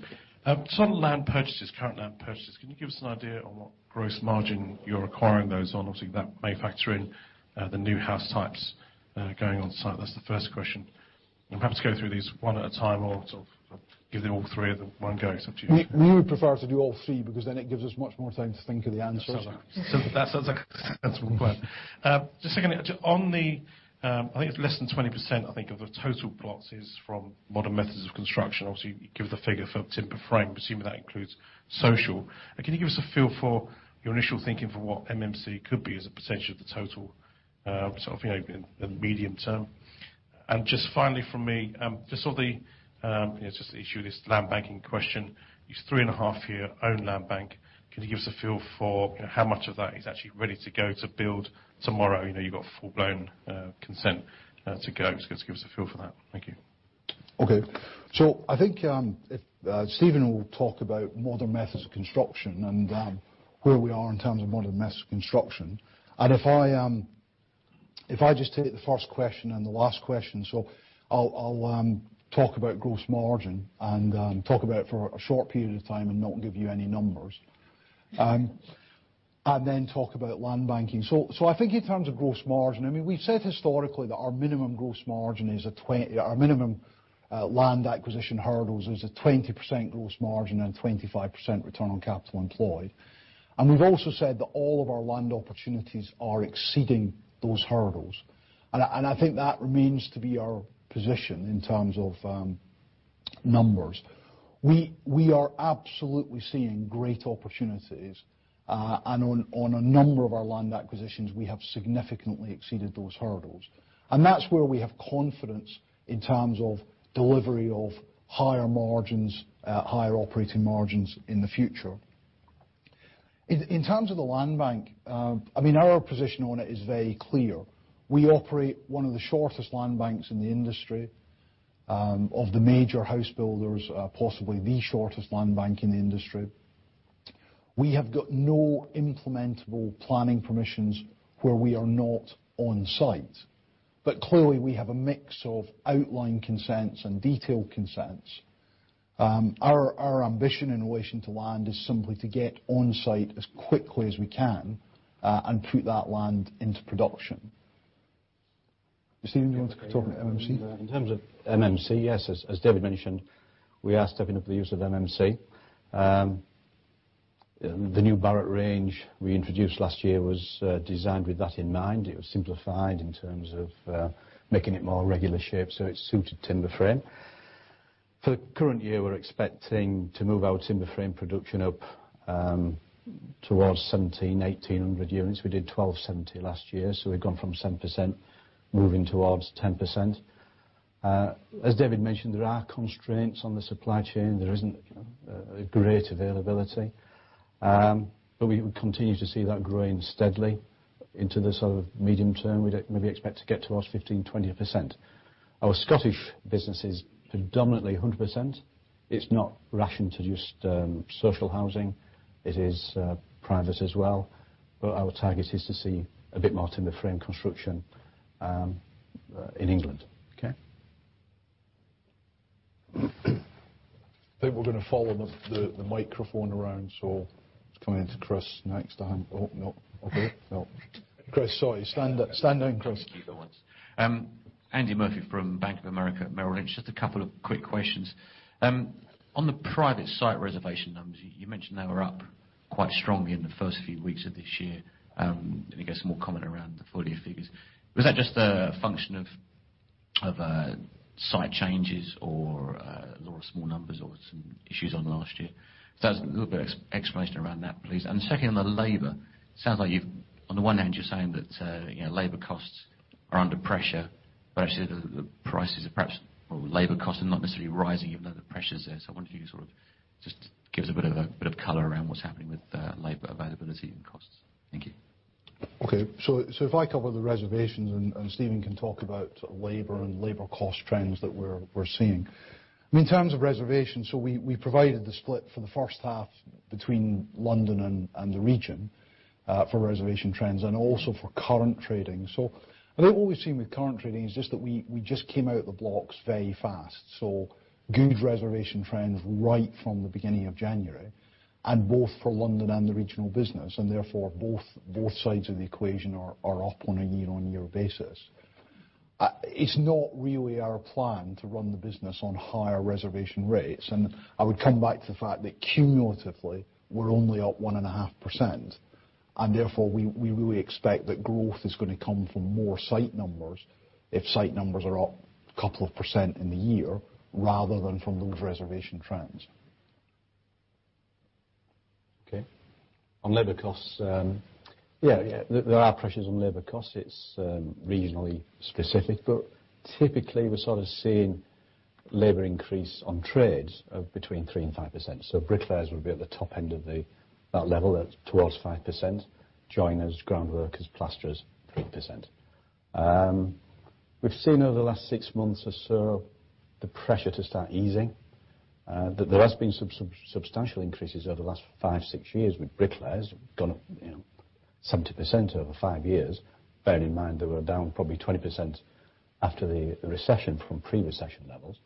some land purchases, current land purchases. Can you give us an idea on what gross margin you're acquiring those on? Obviously, that may factor in the new house types going on site. That's the first question. Perhaps go through these one at a time or sort of give them all three at one go, it's up to you. We would prefer to do all three because then it gives us much more time to think of the answers. That's a sensible plan. Secondly, on the, I think it's less than 20%, I think, of the total plots is from modern methods of construction. Obviously, you give the figure for timber frame. I'm assuming that includes social. Can you give us a feel for your initial thinking for what MMC could be as a % of the total in the medium term? Just finally from me, just on the issue of this land banking question, your three-and-a-half-year owned land bank. Can you give us a feel for how much of that is actually ready to go to build tomorrow? You've got full-blown consent to go. Just give us a feel for that. Thank you. Okay. I think Steven will talk about modern methods of construction and where we are in terms of modern methods of construction. If I just take the first question and the last question, I'll talk about gross margin and talk about it for a short period of time and not give you any numbers, talk about land banking. I think in terms of gross margin, we've said historically that our minimum gross margin is our minimum land acquisition hurdles is a 20% gross margin and 25% return on capital employed. We've also said that all of our land opportunities are exceeding those hurdles. I think that remains to be our position in terms of numbers. We are absolutely seeing great opportunities. On a number of our land acquisitions, we have significantly exceeded those hurdles. That's where we have confidence in terms of delivery of higher margins, higher operating margins in the future. In terms of the land bank, our position on it is very clear. We operate one of the shortest land banks in the industry, of the major house builders, possibly the shortest land bank in the industry. We have got no implementable planning permissions where we are not on site. Clearly, we have a mix of outline consents and detailed consents. Our ambition in relation to land is simply to get on-site as quickly as we can, and put that land into production. Steven, do you want to talk MMC? In terms of MMC, yes, as David mentioned, we are stepping up the use of MMC. The new Barratt range we introduced last year was designed with that in mind. It was simplified in terms of making it more regular shape so it suited timber frame. For the current year, we're expecting to move our timber frame production up towards 1,700, 1,800 units. We did 1,270 last year, so we've gone from 7% moving towards 10%. As David mentioned, there are constraints on the supply chain. There isn't a great availability. We would continue to see that growing steadily into the medium term. We'd maybe expect to get towards 15%-20%. Our Scottish business is predominantly 100%. It's not rationed to just social housing. It is private as well. Our target is to see a bit more timber frame construction in England. Okay? I think we're going to follow the microphone around, so it's coming to Chris next. I hope. Okay. Chris, sorry. Stand down, Chris. Thank you for once. Andy Murphy from Bank of America Merrill Lynch. Just a couple of quick questions. On the private site reservation numbers, you mentioned they were up quite strongly in the first few weeks of this year. Can you give us some more comment around the full year figures? Was that just a function of site changes or lower small numbers or some issues on last year? Just a little bit of explanation around that, please. Second on the labor, sounds like on the one hand, you're saying that labor costs are under pressure, but actually labor costs are not necessarily rising even though the pressure's there. I wonder if you could just give us a bit of color around what's happening with labor availability and costs. Thank you. Okay. If I cover the reservations and Steven can talk about labor and labor cost trends that we're seeing. In terms of reservations, we provided the split for the first half between London and the region, for reservation trends and also for current trading. I think what we've seen with current trading is just that we just came out the blocks very fast. Good reservation trends right from the beginning of January, and both for London and the regional business, and therefore, both sides of the equation are up on a year-on-year basis. It's not really our plan to run the business on higher reservation rates. I would come back to the fact that cumulatively, we're only up 1.5%, and therefore, we really expect that growth is going to come from more site numbers if site numbers are up a couple of % in the year, rather than from those reservation trends. Okay. On labor costs, there are pressures on labor costs. It's regionally specific. Typically, we're sort of seeing labor increase on trades of between 3% and 5%. Bricklayers would be at the top end of that level at towards 5%. Joiners, ground workers, plasterers, 3%. We've seen over the last six months or so the pressure to start easing. There has been substantial increases over the last five, six years with bricklayers. Gone up 70% over five years. Bearing in mind they were down probably 20% after the recession from pre-recession levels.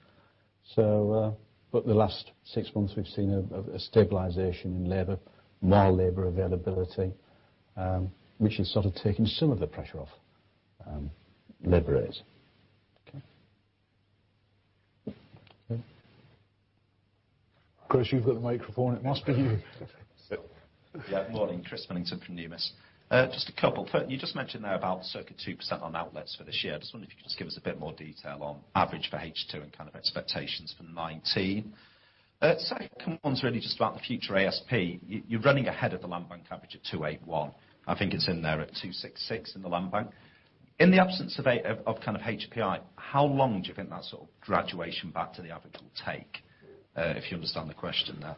The last six months, we've seen a stabilization in labor, more labor availability, which has sort of taken some of the pressure off labor rates. Okay. Chris, you've got the microphone, it must be you. Yeah. Morning. Chris Millington from Numis. Just a couple. You just mentioned there about circa 2% on outlets for this year. I just wonder if you could just give us a bit more detail on average for H2 and kind of expectations for 2019. Second one's really just about the future ASP. You're running ahead of the land bank average at 281. I think it's in there at 266 in the land bank. In the absence of HPI, how long do you think that sort of graduation back to the average will take? If you understand the question there.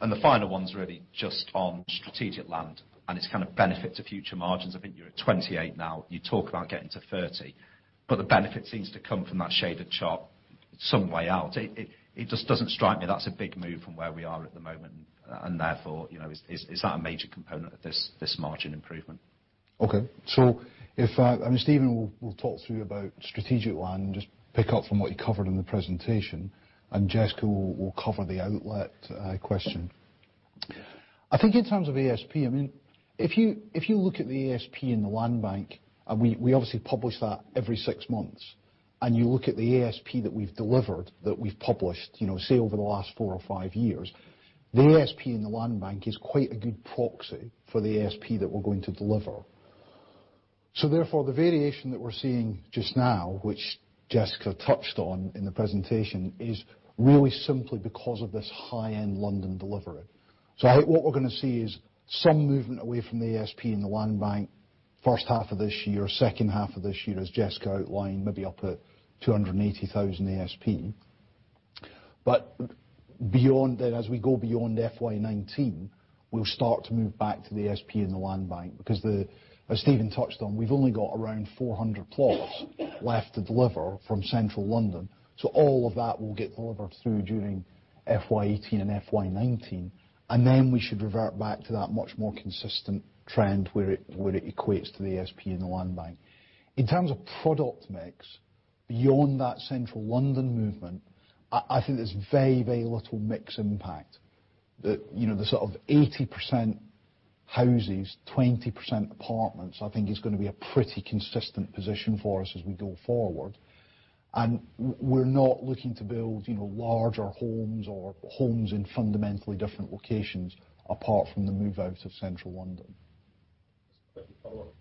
The final one's really just on strategic land and its kind of benefit to future margins. I think you're at 28 now. You talk about getting to 30. The benefit seems to come from that shaded chart some way out. It just doesn't strike me that's a big move from where we are at the moment, and therefore, is that a major component of this margin improvement? Okay. Steven will talk to you about strategic land. Just pick up from what you covered in the presentation, and Jessica will cover the outlet question. I think in terms of ASP, if you look at the ASP in the land bank, and we obviously publish that every six months, and you look at the ASP that we've delivered, that we've published, say over the last four or five years. The ASP in the land bank is quite a good proxy for the ASP that we're going to deliver. The variation that we're seeing just now, which Jessica touched on in the presentation, is really simply because of this high-end London delivery. I think what we're going to see is some movement away from the ASP in the land bank first half of this year, second half of this year, as Jessica outlined, maybe up at 280,000 ASP. As we go beyond FY 2019, we'll start to move back to the ASP in the land bank because as Steven touched on, we've only got around 400 plots left to deliver from Central London. All of that will get delivered through during FY 2018 and FY 2019, and then we should revert back to that much more consistent trend where it equates to the ASP in the land bank. In terms of product mix, beyond that Central London movement, I think there's very little mix impact. The sort of 80% houses, 20% apartments, I think is going to be a pretty consistent position for us as we go forward. We're not looking to build larger homes or homes in fundamentally different locations, apart from the move out of Central London. Just a quick follow-up.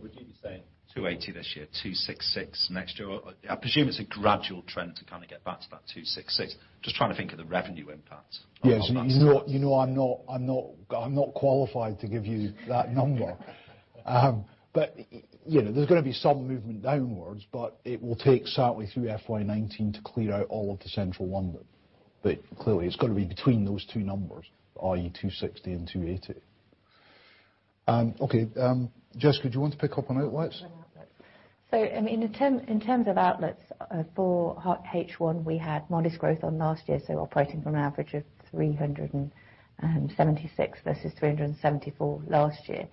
Would you be saying 280 this year, 266 next year? I presume it's a gradual trend to kind of get back to that 266. Just trying to think of the revenue impact on that. Yes. You know I am not qualified to give you that number. There is going to be some movement downwards, but it will take certainly through FY 2019 to clear out all of the Central London. Clearly, it has got to be between those two numbers, i.e., 260 and 280. Okay. Jessica, do you want to pick up on outlets? In terms of outlets for H1, we had modest growth on last year. Operating from an average of 376 versus 374 last year.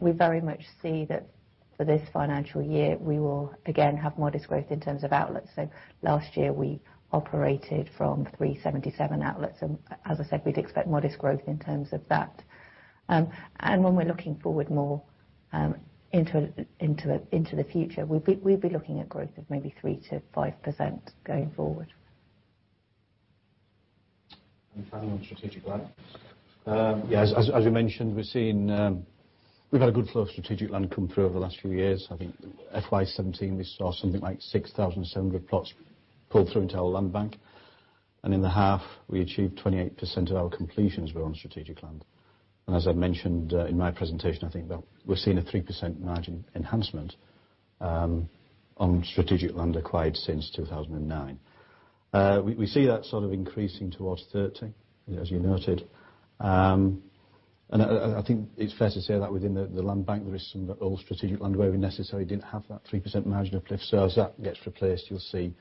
We very much see that for this financial year, we will again have modest growth in terms of outlets. Last year, we operated from 377 outlets. As I said, we would expect modest growth in terms of that. When we are looking forward more into the future, we would be looking at growth of maybe 3%-5% going forward. Finally, on strategic land. Yes. As you mentioned, we have had a good flow of strategic land come through over the last few years. I think FY 2017, we saw something like 6,700 plots pull through into our land bank. In the half, we achieved 28% of our completions were on strategic land. As I mentioned in my presentation, I think that we are seeing a 3% margin enhancement on strategic land acquired since 2009. We see that sort of increasing towards 30, as you noted. I think it is fair to say that within the land bank there is some old strategic land where we necessarily did not have that 3% margin uplift. As that gets replaced, you will see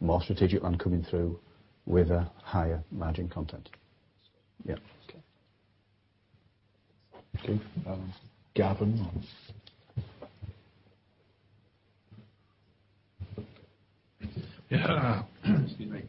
more strategic land coming through with a higher margin content. Yeah. Okay. Okay. Gavin. Yeah. Excuse me.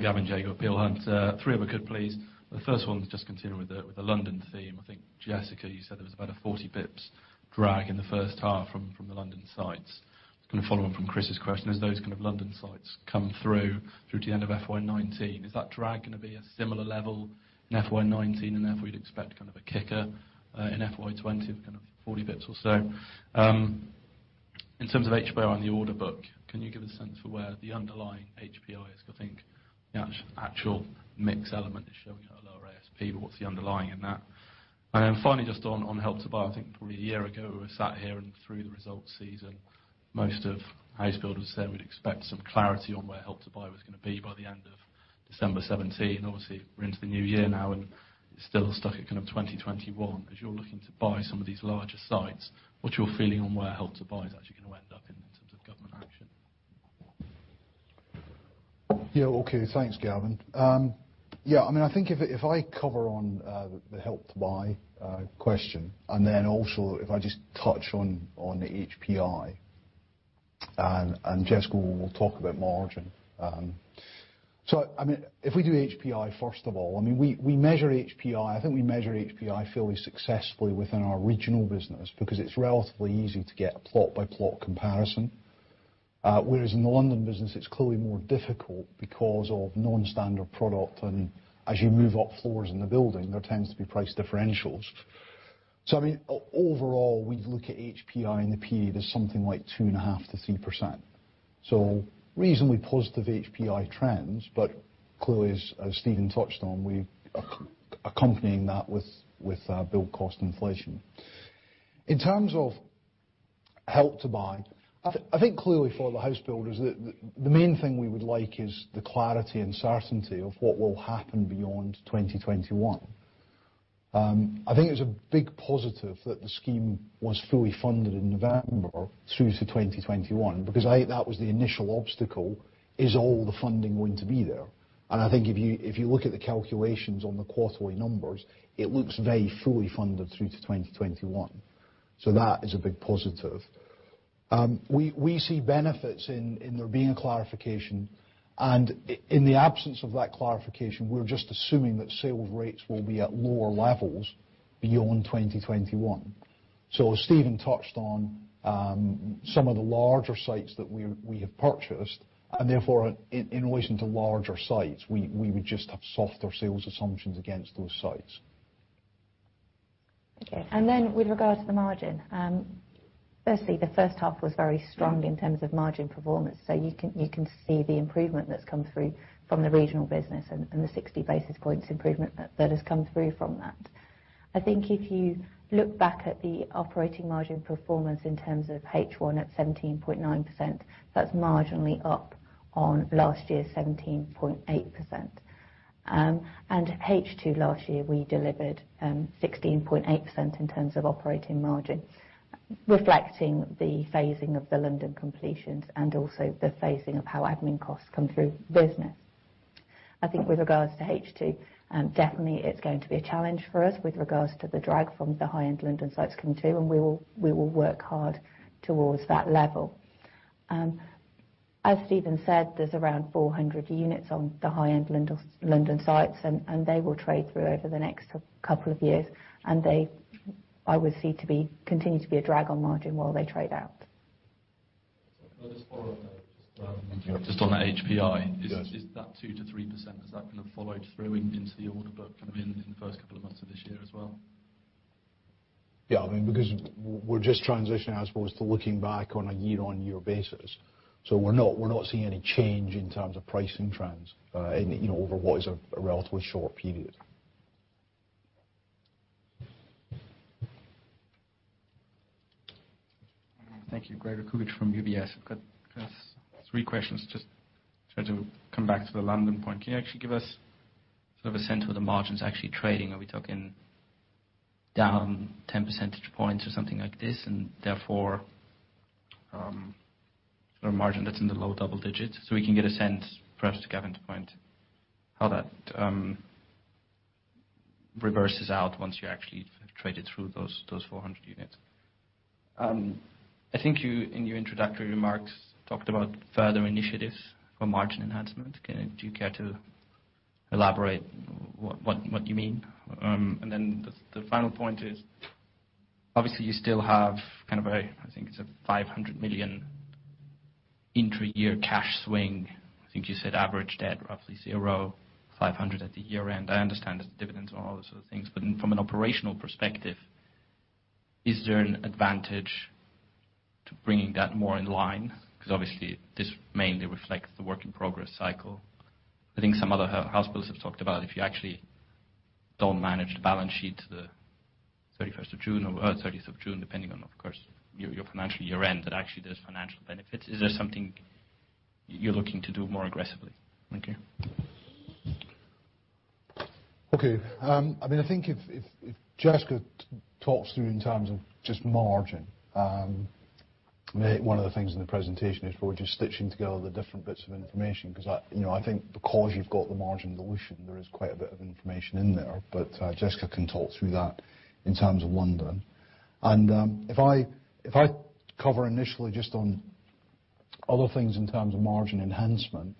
Gavin Jago, Peel Hunt. Three if I could, please. The first one is just continuing with the London theme. I think Jessica, you said there was about a 40 basis points drag in the first half from the London sites. I'm going to follow on from Chris's question, as those kind of London sites come through to the end of FY 2019, is that drag going to be a similar level in FY 2019? Therefore you'd expect kind of a kicker in FY 2020 of kind of 40 basis points or so. In terms of HPI on the order book, can you give a sense for where the underlying HPI is? Because I think the actual mix element is showing at a lower ASP, but what's the underlying in that? Finally, just on Help to Buy. I think probably a year ago, we were sat here and through the results season, most of house builders said we'd expect some clarity on where Help to Buy was going to be by the end of December 2017. Obviously, we're into the new year now, it's still stuck at kind of 2021. As you're looking to buy some of these larger sites, what's your feeling on where Help to Buy is actually going to end up in terms of government action? Yeah, okay. Thanks, Gavin. I think if I cover on the Help to Buy question, then also if I just touch on the HPI, Jessica will talk about margin. If we do HPI, first of all, we measure HPI. I think we measure HPI fairly successfully within our regional business because it's relatively easy to get a plot by plot comparison. Whereas in the London business, it's clearly more difficult because of non-standard product, as you move up floors in the building, there tends to be price differentials. Overall, we look at HPI in the period as something like 2.5%-3%. Reasonably positive HPI trends, but clearly, as Steven touched on, we are accompanying that with build cost inflation. In terms of Help to Buy, I think clearly for the house builders, the main thing we would like is the clarity and certainty of what will happen beyond 2021. I think it's a big positive that the scheme was fully funded in November through to 2021. That was the initial obstacle. Is all the funding going to be there? I think if you look at the calculations on the quarterly numbers, it looks very fully funded through to 2021. That is a big positive. We see benefits in there being a clarification. In the absence of that clarification, we're just assuming that sales rates will be at lower levels beyond 2021. Steven touched on some of the larger sites that we have purchased, therefore in relation to larger sites, we would just have softer sales assumptions against those sites. Okay. With regards to the margin. Firstly, the first half was very strong in terms of margin performance. You can see the improvement that's come through from the regional business and the 60 basis points improvement that has come through from that. I think if you look back at the operating margin performance in terms of H1 at 17.9%, that's marginally up on last year's 17.8%. H2 last year, we delivered 16.8% in terms of operating margin, reflecting the phasing of the London completions and also the phasing of how admin costs come through the business. I think with regards to H2, definitely it's going to be a challenge for us with regards to the drag from the high-end London sites coming through, and we will work hard towards that level. As Steven said, there's around 400 units on the high-end London sites, and they will trade through over the next couple of years. They, I would see to continue to be a drag on margin while they trade out. Can I just follow up there? Just on that HPI. Yes. Is that 2%-3%, has that kind of followed through into the order book coming in the first couple of months of this year as well? Yeah, because we're just transitioning, as opposed to looking back on a year-on-year basis. We're not seeing any change in terms of pricing trends over what is a relatively short period. Thank you. Gregor Kuglitsch from UBS. I've got, I guess, three questions. Just try to come back to the London point. Can you actually give us sort of a sense of the margins actually trading? Are we talking down 10 percentage points or something like this, and therefore a margin that's in the low double digits, so we can get a sense, perhaps Gavin's point, how that reverses out once you actually have traded through those 400 units? I think you, in your introductory remarks, talked about further initiatives for margin enhancement. Do you care to elaborate what you mean? The final point is, obviously, you still have kind of a, I think it's a 500 million intra-year cash swing. I think you said average debt roughly zero, 500 at the year-end. I understand there's dividends and all those sort of things, from an operational perspective, is there an advantage to bringing that more in line? Because obviously, this mainly reflects the work in progress cycle. I think some other house builders have talked about if you actually don't manage the balance sheet to the 31st of June or 30th of June, depending on, of course, your financial year-end, that actually there's financial benefits. Is that something you're looking to do more aggressively? Thank you. Okay. I think if Jessica talks through in terms of just margin. One of the things in the presentation is we're just stitching together the different bits of information, because I think because you've got the margin dilution, there is quite a bit of information in there. Jessica can talk through that in terms of London. If I cover initially just on other things in terms of margin enhancement,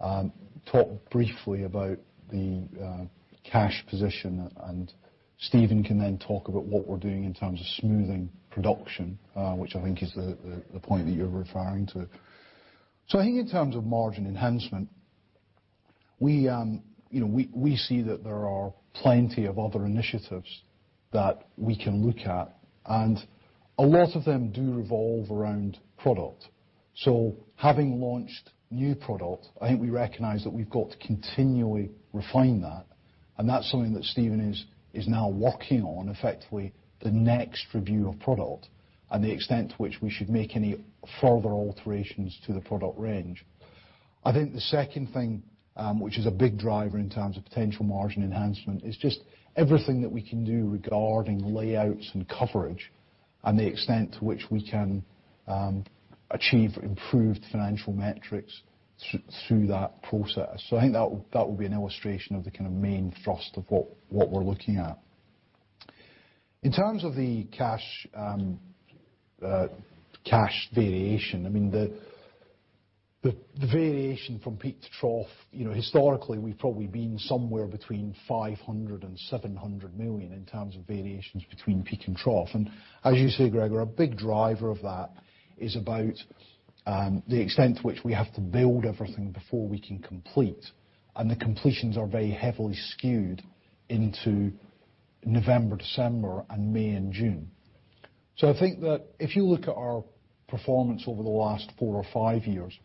talk briefly about the cash position, and Steven can then talk about what we're doing in terms of smoothing production, which I think is the point that you're referring to. I think in terms of margin enhancement, we see that there are plenty of other initiatives that we can look at, and a lot of them do revolve around product. Having launched new product, I think we recognize that we've got to continually refine that, and that's something that Steven is now working on, effectively the next review of product and the extent to which we should make any further alterations to the product range. I think the second thing, which is a big driver in terms of potential margin enhancement, is just everything that we can do regarding layouts and coverage and the extent to which we can achieve improved financial metrics through that process. I think that will be an illustration of the kind of main thrust of what we're looking at. In terms of the cash variation, the variation from peak to trough. Historically, we've probably been somewhere between 500 million and 700 million in terms of variations between peak and trough. As you say, Gregor, a big driver of that is about the extent to which we have to build everything before we can complete, and the completions are very heavily skewed into November, December, and May and June. I think that if you look at our performance over the last four or five years,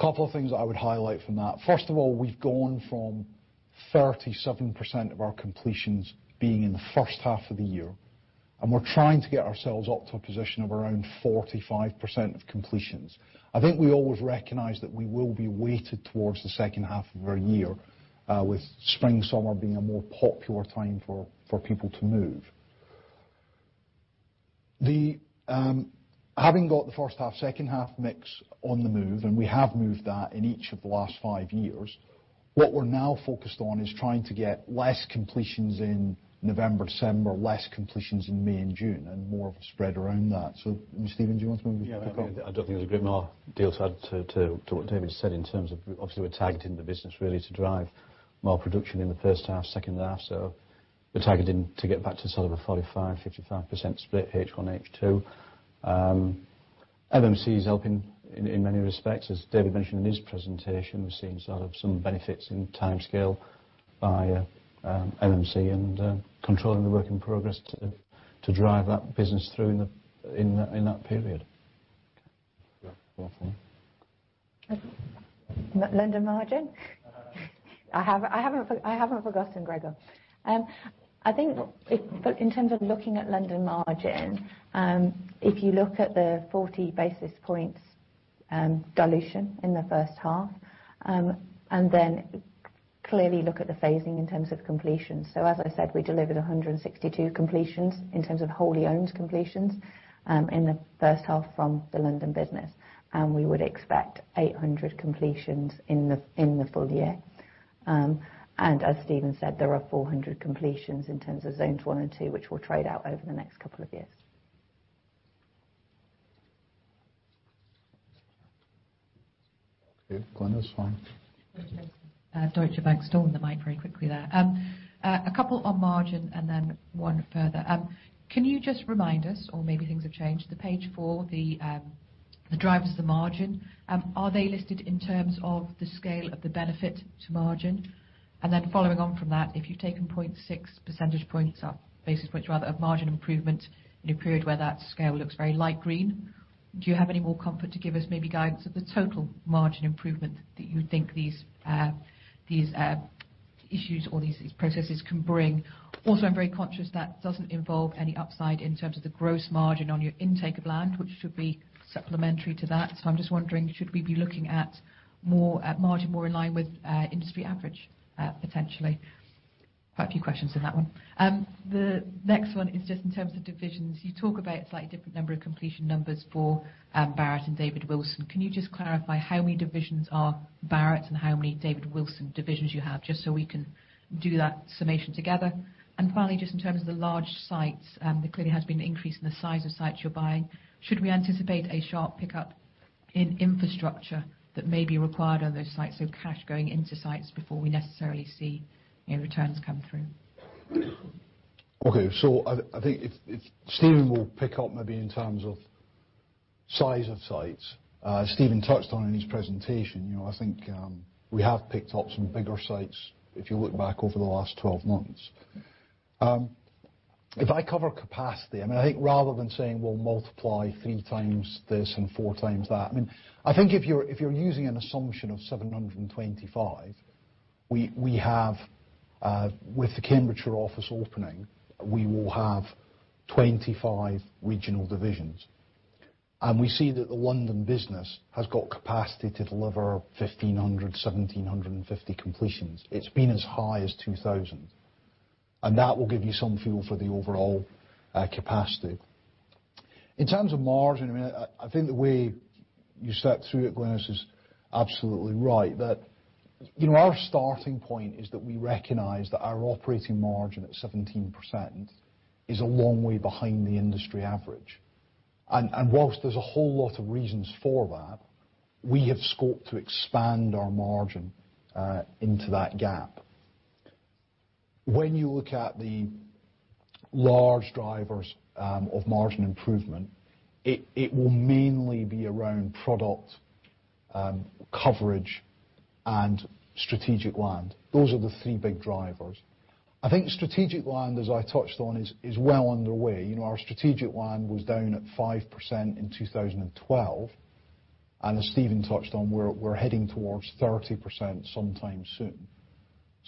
couple of things that I would highlight from that. First of all, we've gone from 37% of our completions being in the first half of the year, and we're trying to get ourselves up to a position of around 45% of completions. I think we always recognize that we will be weighted towards the second half of a year, with spring, summer being a more popular time for people to move. Having got the first half, second half mix on the move, and we have moved that in each of the last five years. What we're now focused on is trying to get less completions in November, December, less completions in May and June, and more of a spread around that. Steven, do you want to maybe pick up? Yeah, I don't think there's a great deal to add to what David said in terms of, obviously, we're tagged in the business really to drive more production in the first half, second half. We're targeted to get back to sort of a 45%-55% split H1, H2. MMC is helping in many respects. As David mentioned in his presentation, we've seen sort of some benefits in timescale by MMC and controlling the work in progress to drive that business through in that period. Gregor. London margin? I haven't forgotten, Gregor. I think in terms of looking at London margin, if you look at the 40 basis points dilution in the first half, and then clearly look at the phasing in terms of completions. As I said, we delivered 162 completions in terms of wholly owned completions in the first half from the London business, and we would expect 800 completions in the full year. As Steven said, there are 400 completions in terms of zones 1 and 2, which will trade out over the next couple of years. Okay. Glynis, fine. Deutsche Bank. Stole the mic very quickly there. A couple on margin, and then one further. Can you just remind us, or maybe things have changed, the page four, the drivers to margin, are they listed in terms of the scale of the benefit to margin? Following on from that, if you've taken 0.6 percentage points up, basis points rather, of margin improvement in a period where that scale looks very light green, do you have any more comfort to give us maybe guidance of the total margin improvement that you think these issues or these processes can bring? Also, I'm very conscious that doesn't involve any upside in terms of the gross margin on your intake of land, which should be supplementary to that. I'm just wondering, should we be looking at margin more in line with industry average, potentially? Quite a few questions in that one. The next one is just in terms of divisions. You talk about slightly different number of completion numbers for Barratt and David Wilson. Can you just clarify how many divisions are Barratt's, and how many David Wilson divisions you have, just so we can do that summation together? Finally, just in terms of the large sites, there clearly has been an increase in the size of sites you're buying. Should we anticipate a sharp pickup in infrastructure that may be required on those sites, cash going into sites before we necessarily see any returns come through? Okay. I think Steven will pick up maybe in terms of size of sites. Steven touched on it in his presentation. I think we have picked up some bigger sites if you look back over the last 12 months. If I cover capacity, I think rather than saying we'll multiply three times this and four times that, I think if you're using an assumption of 725, with the Cambridgeshire office opening, we will have 25 regional divisions. We see that the London business has got capacity to deliver 1,500, 1,750 completions. It's been as high as 2,000. That will give you some feel for the overall capacity. In terms of margin, I think the way you set through it, Glynis, is absolutely right, that our starting point is that we recognize that our operating margin at 17% is a long way behind the industry average. Whilst there's a whole lot of reasons for that, we have scoped to expand our margin into that gap. When you look at the large drivers of margin improvement, it will mainly be around product coverage and strategic land. Those are the three big drivers. I think strategic land, as I touched on, is well underway. Our strategic land was down at 5% in 2012, and as Steven touched on, we're heading towards 30% sometime soon.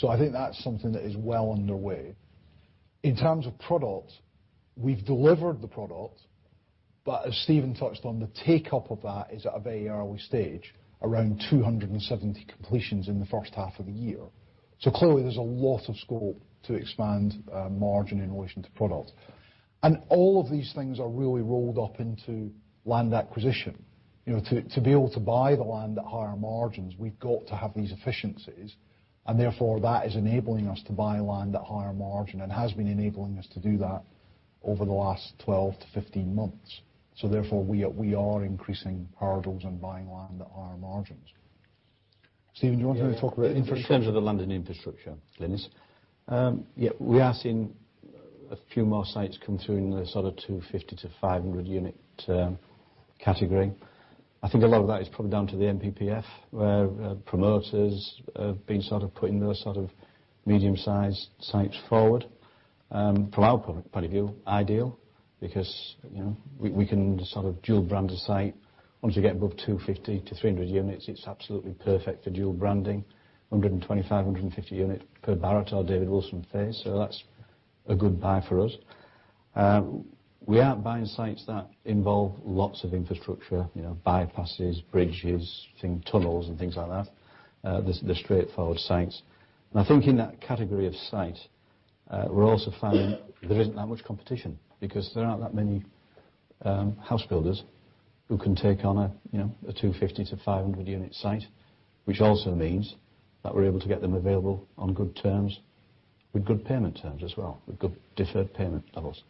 I think that's something that is well underway. In terms of product, we've delivered the product, but as Steven touched on, the take-up of that is at a very early stage, around 270 completions in the first half of the year. Clearly, there's a lot of scope to expand margin in relation to product. All of these things are really rolled up into land acquisition. To be able to buy the land at higher margins, we've got to have these efficiencies, and therefore that is enabling us to buy land at higher margin, and has been enabling us to do that over the last 12-15 months. Therefore, we are increasing our drills and buying land at higher margins. Steven, do you want to maybe talk about infrastructure? In terms of the London infrastructure, Glynis. Yeah, we are seeing a few more sites come through in the 250-500 unit category. I think a lot of that is probably down to the NPPF, where promoters have been sort of putting those sort of medium-sized sites forward. From our point of view, ideal, because we can sort of dual-brand a site. Once we get above 250-300 units, it's absolutely perfect for dual branding. 125, 150 unit per Barratt or David Wilson phase, so that's a good buy for us. We aren't buying sites that involve lots of infrastructure, bypasses, bridges, tunnels and things like that. They're straightforward sites. I think in that category of site, we're also finding there isn't that much competition because there aren't that many house builders who can take on a 250-500 unit site, which also means that we're able to get them available on good terms with good payment terms as well, with good deferred payment levels.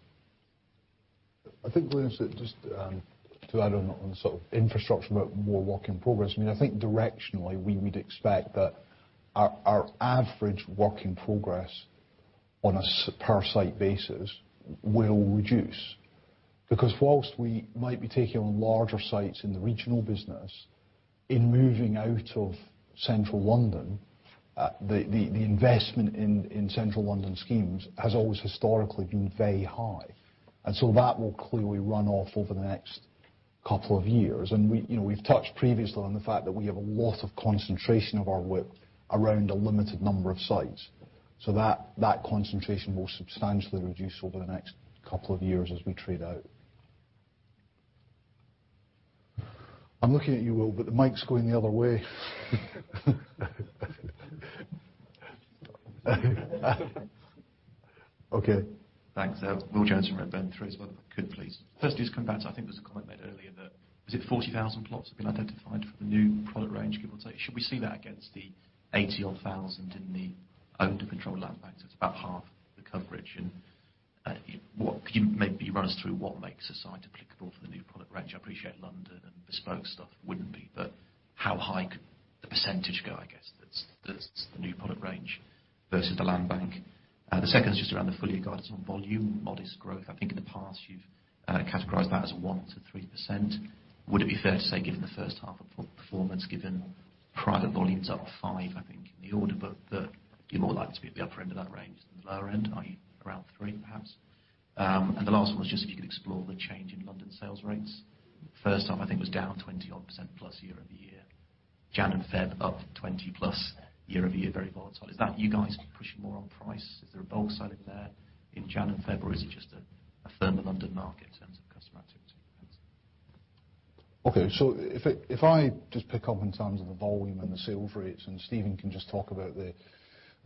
I think, Glynis, just to add on the sort of infrastructure, but more work in progress, I think directionally, we would expect that our average work in progress on a per site basis will reduce. Because whilst we might be taking on larger sites in the regional business in moving out of Central London, the investment in Central London schemes has always historically been very high. So that will clearly run off over the next couple of years. We've touched previously on the fact that we have a lot of concentration of our work around a limited number of sites. That concentration will substantially reduce over the next couple of years as we trade out. I'm looking at you, Will, but the mic's going the other way. Okay. Thanks. Will Jones from Redburn. Three as well if I could, please. Firstly, just coming back to, I think there was a comment made earlier that, is it 40,000 plots have been identified for the new product range people take? Should we see that against the 80-odd thousand in the owned and controlled land bank? It's about half the coverage. Can you maybe run us through what makes a site applicable for the new product range? I appreciate London and bespoke stuff wouldn't be, but how high could the percentage go, I guess, that's the new product range versus the land bank. The second is just around the full-year guidance on volume, modest growth. I think in the past, you've categorized that as 1%-3%. Would it be fair to say, given the first half performance, given private volumes up five, I think, in the order, but that you're more likely to be at the upper end of that range than the lower end, i.e. around three, perhaps? The last one was just if you could explore the change in London sales rates. First half, I think, was down 20-odd% plus year-over-year. Jan and Feb, up 20%+ year-over-year, very volatile. Is that you guys pushing more on price? Is there a bulk selling there in Jan and Feb, or is it just a firmer London market in terms of customer activity, perhaps? Okay. If I just pick up in terms of the volume and the sale rates, Steven can just talk about the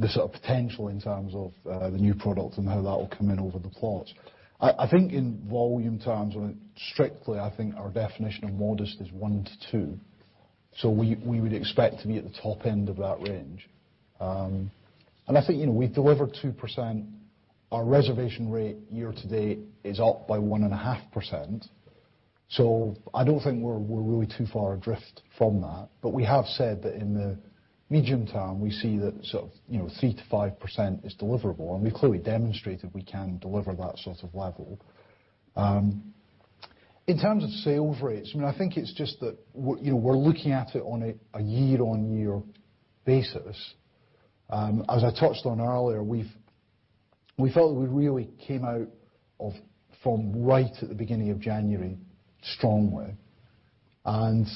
sort of potential in terms of the new product and how that will come in over the plots. I think in volume terms, strictly, I think our definition of modest is 1-2. We would expect to be at the top end of that range. I think we've delivered 2%. Our reservation rate year to date is up by 1.5%. I don't think we're really too far adrift from that. We have said that in the medium term, we see that sort of 3%-5% is deliverable, and we clearly demonstrated we can deliver that sort of level. In terms of sale rates, I think it's just that we're looking at it on a year-on-year basis. As I touched on earlier, we felt that we really came out from right at the beginning of January strongly, and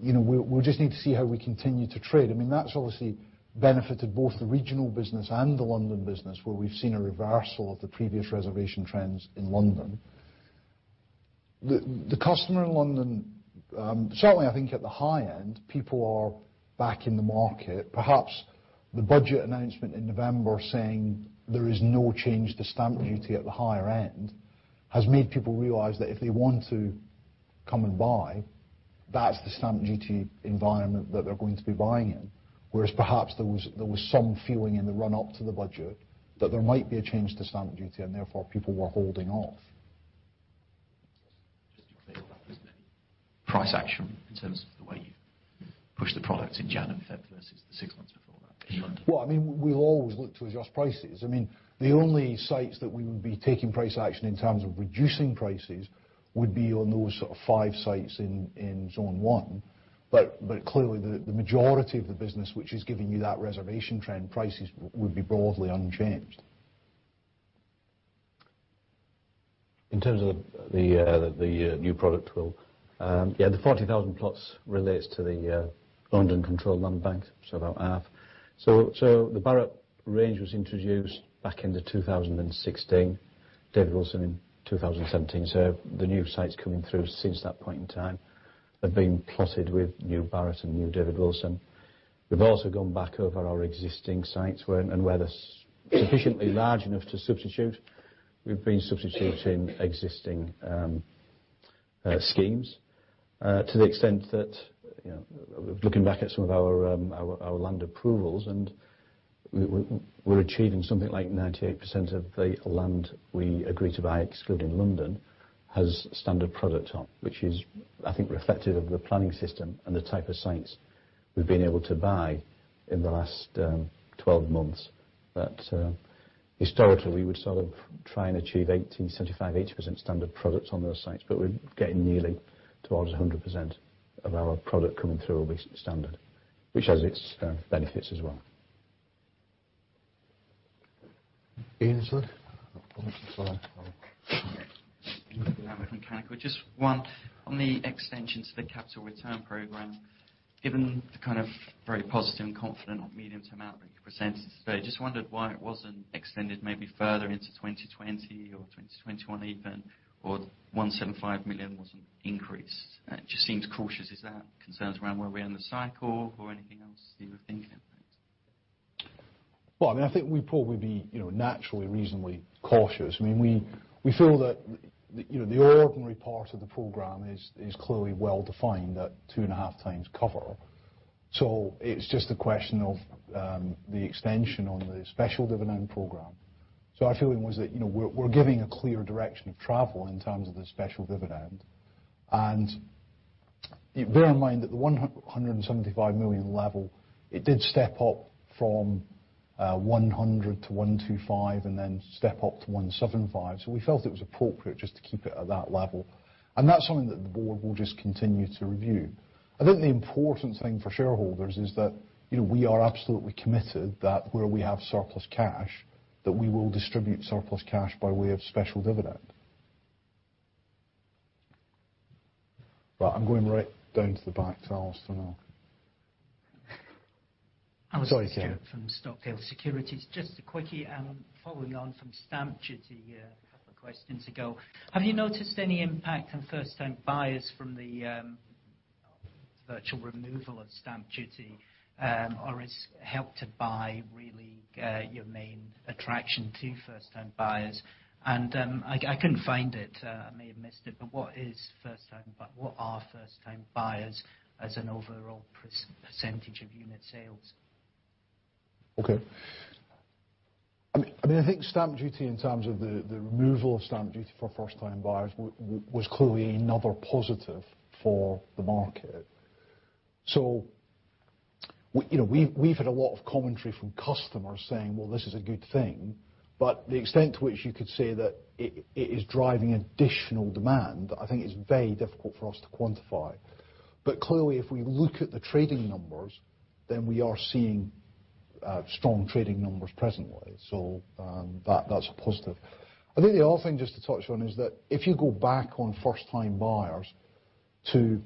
we just need to see how we continue to trade. That's obviously benefited both the regional business and the London business, where we've seen a reversal of the previous reservation trends in London. The customer in London, certainly I think at the high end, people are back in the market. Perhaps the budget announcement in November saying there is no change to stamp duty at the higher end has made people realize that if they want to come and buy, that's the stamp duty environment that they're going to be buying in. Whereas perhaps there was some feeling in the run-up to the budget that there might be a change to stamp duty, and therefore people were holding off. Just to be clear, there's been price action in terms of the way you've pushed the product in January and February versus the six months before that in London. We'll always look to adjust prices. The only sites that we would be taking price action in terms of reducing prices would be on those sort of five sites in zone one. Clearly, the majority of the business which is giving you that reservation trend, prices would be broadly unchanged. In terms of the new product, Will. Yeah, the 40,000 plots relates to the London controlled land bank, so about half. The Barratt range was introduced back end of 2016, David Wilson in 2017. The new sites coming through since that point in time have been plotted with new Barratt and new David Wilson. We've also gone back over our existing sites, and where they're sufficiently large enough to substitute, we've been substituting existing schemes to the extent that, looking back at some of our land approvals and we're achieving something like 98% of the land we agree to buy, excluding London, has standard product on, which is, I think, reflective of the planning system and the type of sites we've been able to buy in the last 12 months. Historically, we would sort of try and achieve 75%, 80% standard products on those sites, but we're getting nearly towards 100% of our product coming through will be standard, which has its benefits as well. Ian Slud? Oh, sorry. Ian with Mechanical. One on the extension to the capital return program. Given the kind of very positive and confident medium-term outlook you presented today, wondered why it wasn't extended maybe further into 2020 or 2021 even, or 175 million wasn't increased. It seems cautious. Is that concerns around where we are in the cycle or anything else that you were thinking of? I think we'd probably be naturally reasonably cautious. We feel that the ordinary part of the program is clearly well-defined at two and a half times cover. It's just a question of the extension on the special dividend program. Our feeling was that we're giving a clear direction of travel in terms of the special dividend. Bear in mind that the 175 million level, it did step up from 100 to 125, and then step up to 175. We felt it was appropriate just to keep it at that level. That's something that the board will just continue to review. I think the important thing for shareholders is that we are absolutely committed that where we have surplus cash, that we will distribute surplus cash by way of special dividend. I'm going right down to the back to ask for now. Sorry, Ken. I was Ken from Stockdale Securities. A quickie following on from stamp duty, a couple of questions ago. Have you noticed any impact on first-time buyers from the Virtual removal of stamp duty, or is Help to Buy really your main attraction to first-time buyers? I couldn't find it, I may have missed it, but what are first-time buyers as an overall percentage of unit sales? Okay. I think stamp duty in terms of the removal of stamp duty for first-time buyers was clearly another positive for the market. We've had a lot of commentary from customers saying, "Well, this is a good thing," but the extent to which you could say that it is driving additional demand, I think is very difficult for us to quantify. Clearly, if we look at the trading numbers, we are seeing strong trading numbers presently. That's a positive. I think the other thing just to touch on is that if you go back on first-time buyers to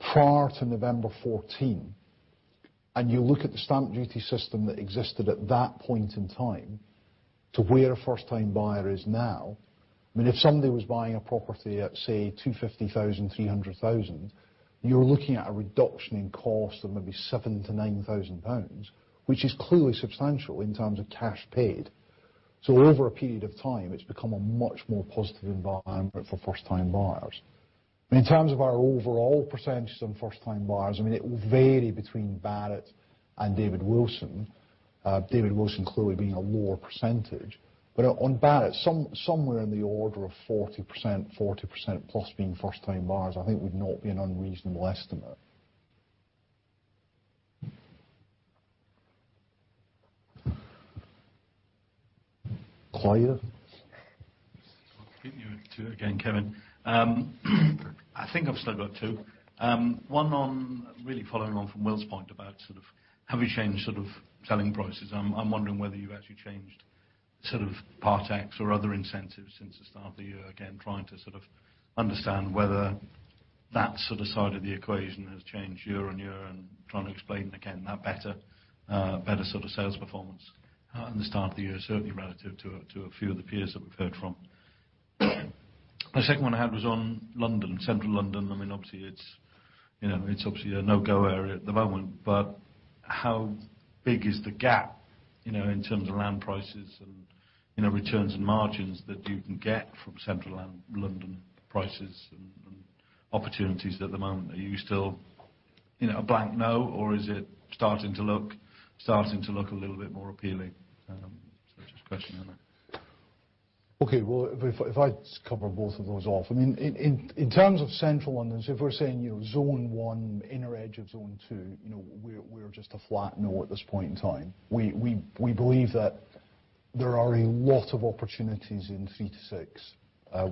prior to November 2014, and you look at the stamp duty system that existed at that point in time to where a first-time buyer is now, if somebody was buying a property at, say, 250,000, 300,000, you're looking at a reduction in cost of maybe 7,000-9,000 pounds, which is clearly substantial in terms of cash paid. Over a period of time, it's become a much more positive environment for first-time buyers. In terms of our overall percentage on first-time buyers, it will vary between Barratt and David Wilson. David Wilson clearly being a lower percentage. On Barratt, somewhere in the order of 40%, 40% plus being first-time buyers, I think would not be an unreasonable estimate. Clive? I'll give you two again, Kevin. I think I've still got two. One on, really following on from Will's point about have you changed selling prices. I'm wondering whether you've actually changed part-ex or other incentives since the start of the year. Again, trying to understand whether that side of the equation has changed year-on-year and trying to explain again that better sales performance at the start of the year, certainly relative to a few of the peers that we've heard from. The second one I had was on London, Central London. Obviously, it's a no-go area at the moment, but how big is the gap in terms of land prices and returns and margins that you can get from Central London prices and opportunities at the moment? Are you still a blank no, or is it starting to look a little bit more appealing? just a question on that. Okay. Well, if I just cover both of those off. In terms of Central London, so if we're saying Zone 1, inner edge of Zone 2, we're just a flat no at this point in time. We believe that there are a lot of opportunities in three to six.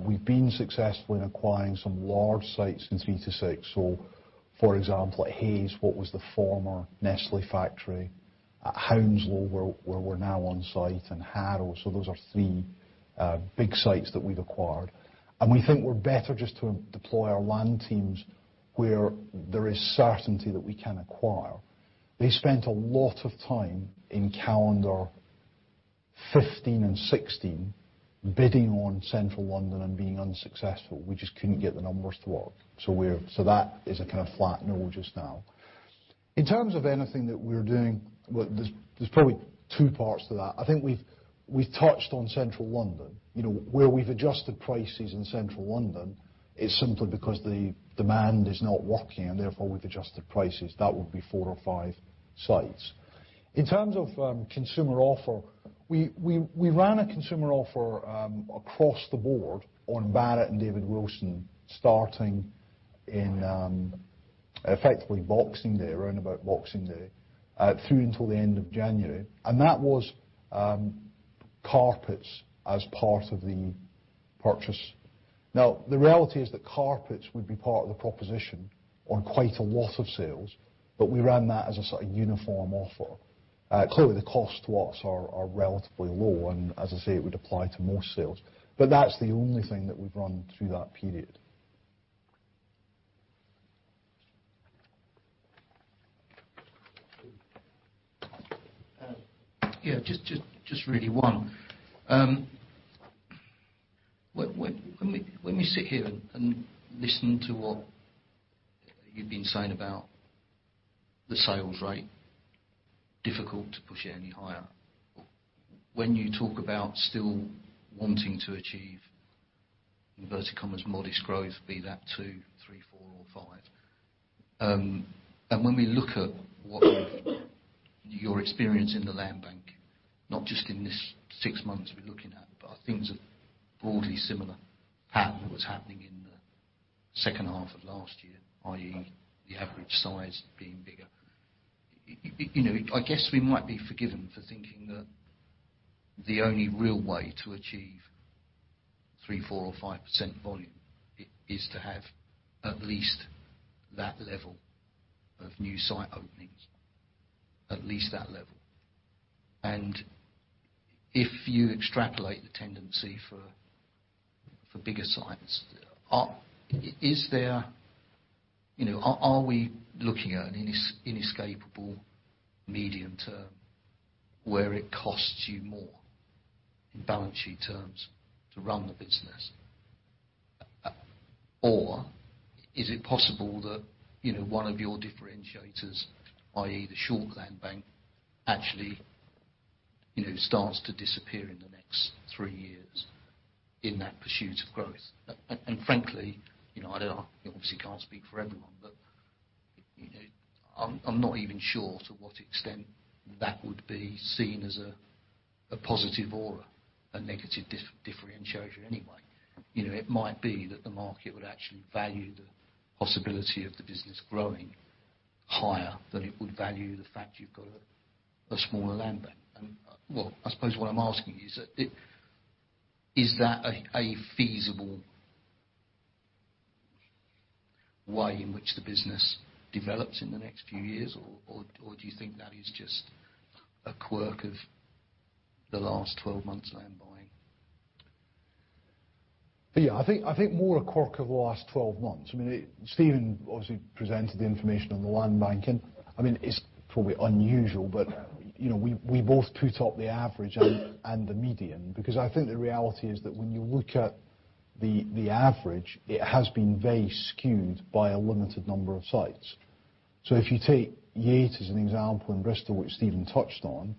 We've been successful in acquiring some large sites in three to six. For example, at Hayes, what was the former Nestlé factory, at Hounslow, where we're now on site, and Harrow. Those are three big sites that we've acquired. We think we're better just to deploy our land teams where there is certainty that we can acquire. They spent a lot of time in calendar 2015 and 2016 bidding on Central London and being unsuccessful. We just couldn't get the numbers to work. That is a kind of flat no just now. In terms of anything that we're doing, there's probably two parts to that. I think we've touched on Central London. Where we've adjusted prices in Central London, it's simply because the demand is not working, and therefore we've adjusted prices. That would be four or five sites. In terms of consumer offer, we ran a consumer offer across the board on Barratt and David Wilson, starting in effectively Boxing Day, around about Boxing Day, through until the end of January. That was carpets as part of the purchase. The reality is that carpets would be part of the proposition on quite a lot of sales, but we ran that as a uniform offer. Clearly, the cost to us are relatively low, and as I say, it would apply to more sales. That's the only thing that we've run through that period. Yeah. Just really one. When we sit here and listen to what you've been saying about the sales rate, difficult to push it any higher. When you talk about still wanting to achieve, inverted commas, modest growth, be that two, three, four or five. When we look at what you've- your experience in the land bank, not just in this six months we're looking at, but are things a broadly similar pattern that was happening in the second half of last year, i.e., the average size being bigger. I guess we might be forgiven for thinking that the only real way to achieve three, four or 5% volume is to have at least that level of new site openings, at least that level. If you extrapolate the tendency for bigger sites, are we looking at an inescapable medium term where it costs you more? In balance sheet terms to run the business. Is it possible that one of your differentiators, i.e., the short land bank, actually starts to disappear in the next 3 years in that pursuit of growth? Frankly, I obviously can't speak for everyone, but I'm not even sure to what extent that would be seen as a positive or a negative differentiator anyway. It might be that the market would actually value the possibility of the business growing higher than it would value the fact you've got a smaller land bank. I suppose what I'm asking is that a feasible way in which the business develops in the next few years? Do you think that is just a quirk of the last 12 months land buying? I think more a quirk of the last 12 months. Steven obviously presented the information on the land banking. It's probably unusual, but we both put up the average and the median, because I think the reality is that when you look at the average, it has been very skewed by a limited number of sites. If you take Yate as an example in Bristol, which Steven touched on,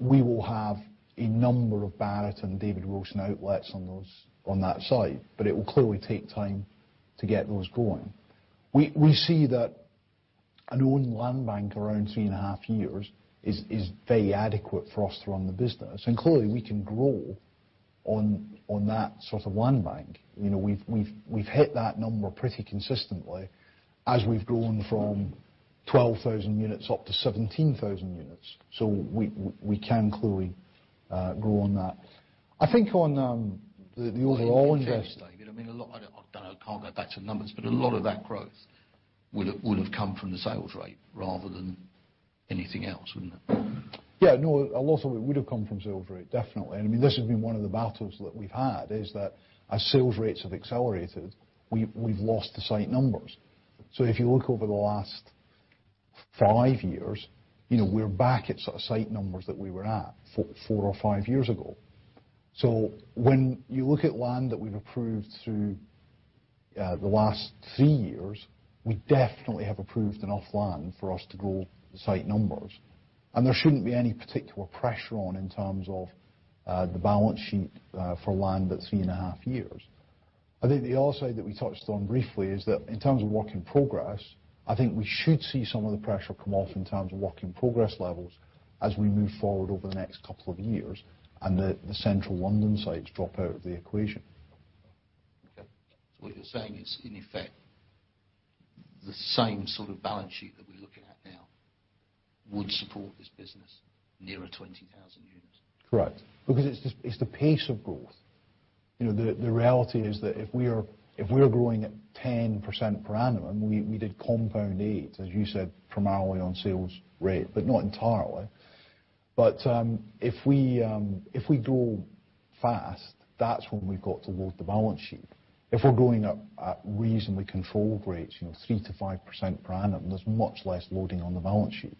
we will have a number of Barratt and David Wilson outlets on that site, but it will clearly take time to get those going. We see that an owned land bank around three and a half years is very adequate for us to run the business. Clearly, we can grow on that sort of land bank. We've hit that number pretty consistently as we've grown from 12,000 units up to 17,000 units. We can clearly grow on that. If you adjust, David, I don't know, I can't go back to the numbers, but a lot of that growth would've come from the sales rate rather than anything else, wouldn't it? Yeah, no, a lot of it would've come from sales rate, definitely. This has been one of the battles that we've had, is that as sales rates have accelerated, we've lost the site numbers. If you look over the last five years, we're back at sort of site numbers that we were at four or five years ago. When you look at land that we've approved through the last three years, we definitely have approved enough land for us to grow the site numbers. There shouldn't be any particular pressure on in terms of the balance sheet for land that's three and a half years. I think the other side that we touched on briefly is that in terms of work in progress, I think we should see some of the pressure come off in terms of work in progress levels as we move forward over the next couple of years and the Central London sites drop out of the equation. Okay. What you're saying is, in effect, the same sort of balance sheet that we're looking at now would support this business nearer 20,000 units? Correct. Because it's the pace of growth. The reality is that if we are growing at 10% per annum, we did compound 8%, as you said, primarily on sales rate, but not entirely. If we grow fast, that's when we've got to load the balance sheet. If we're growing up at reasonably controlled rates, 3%-5% per annum, there's much less loading on the balance sheet.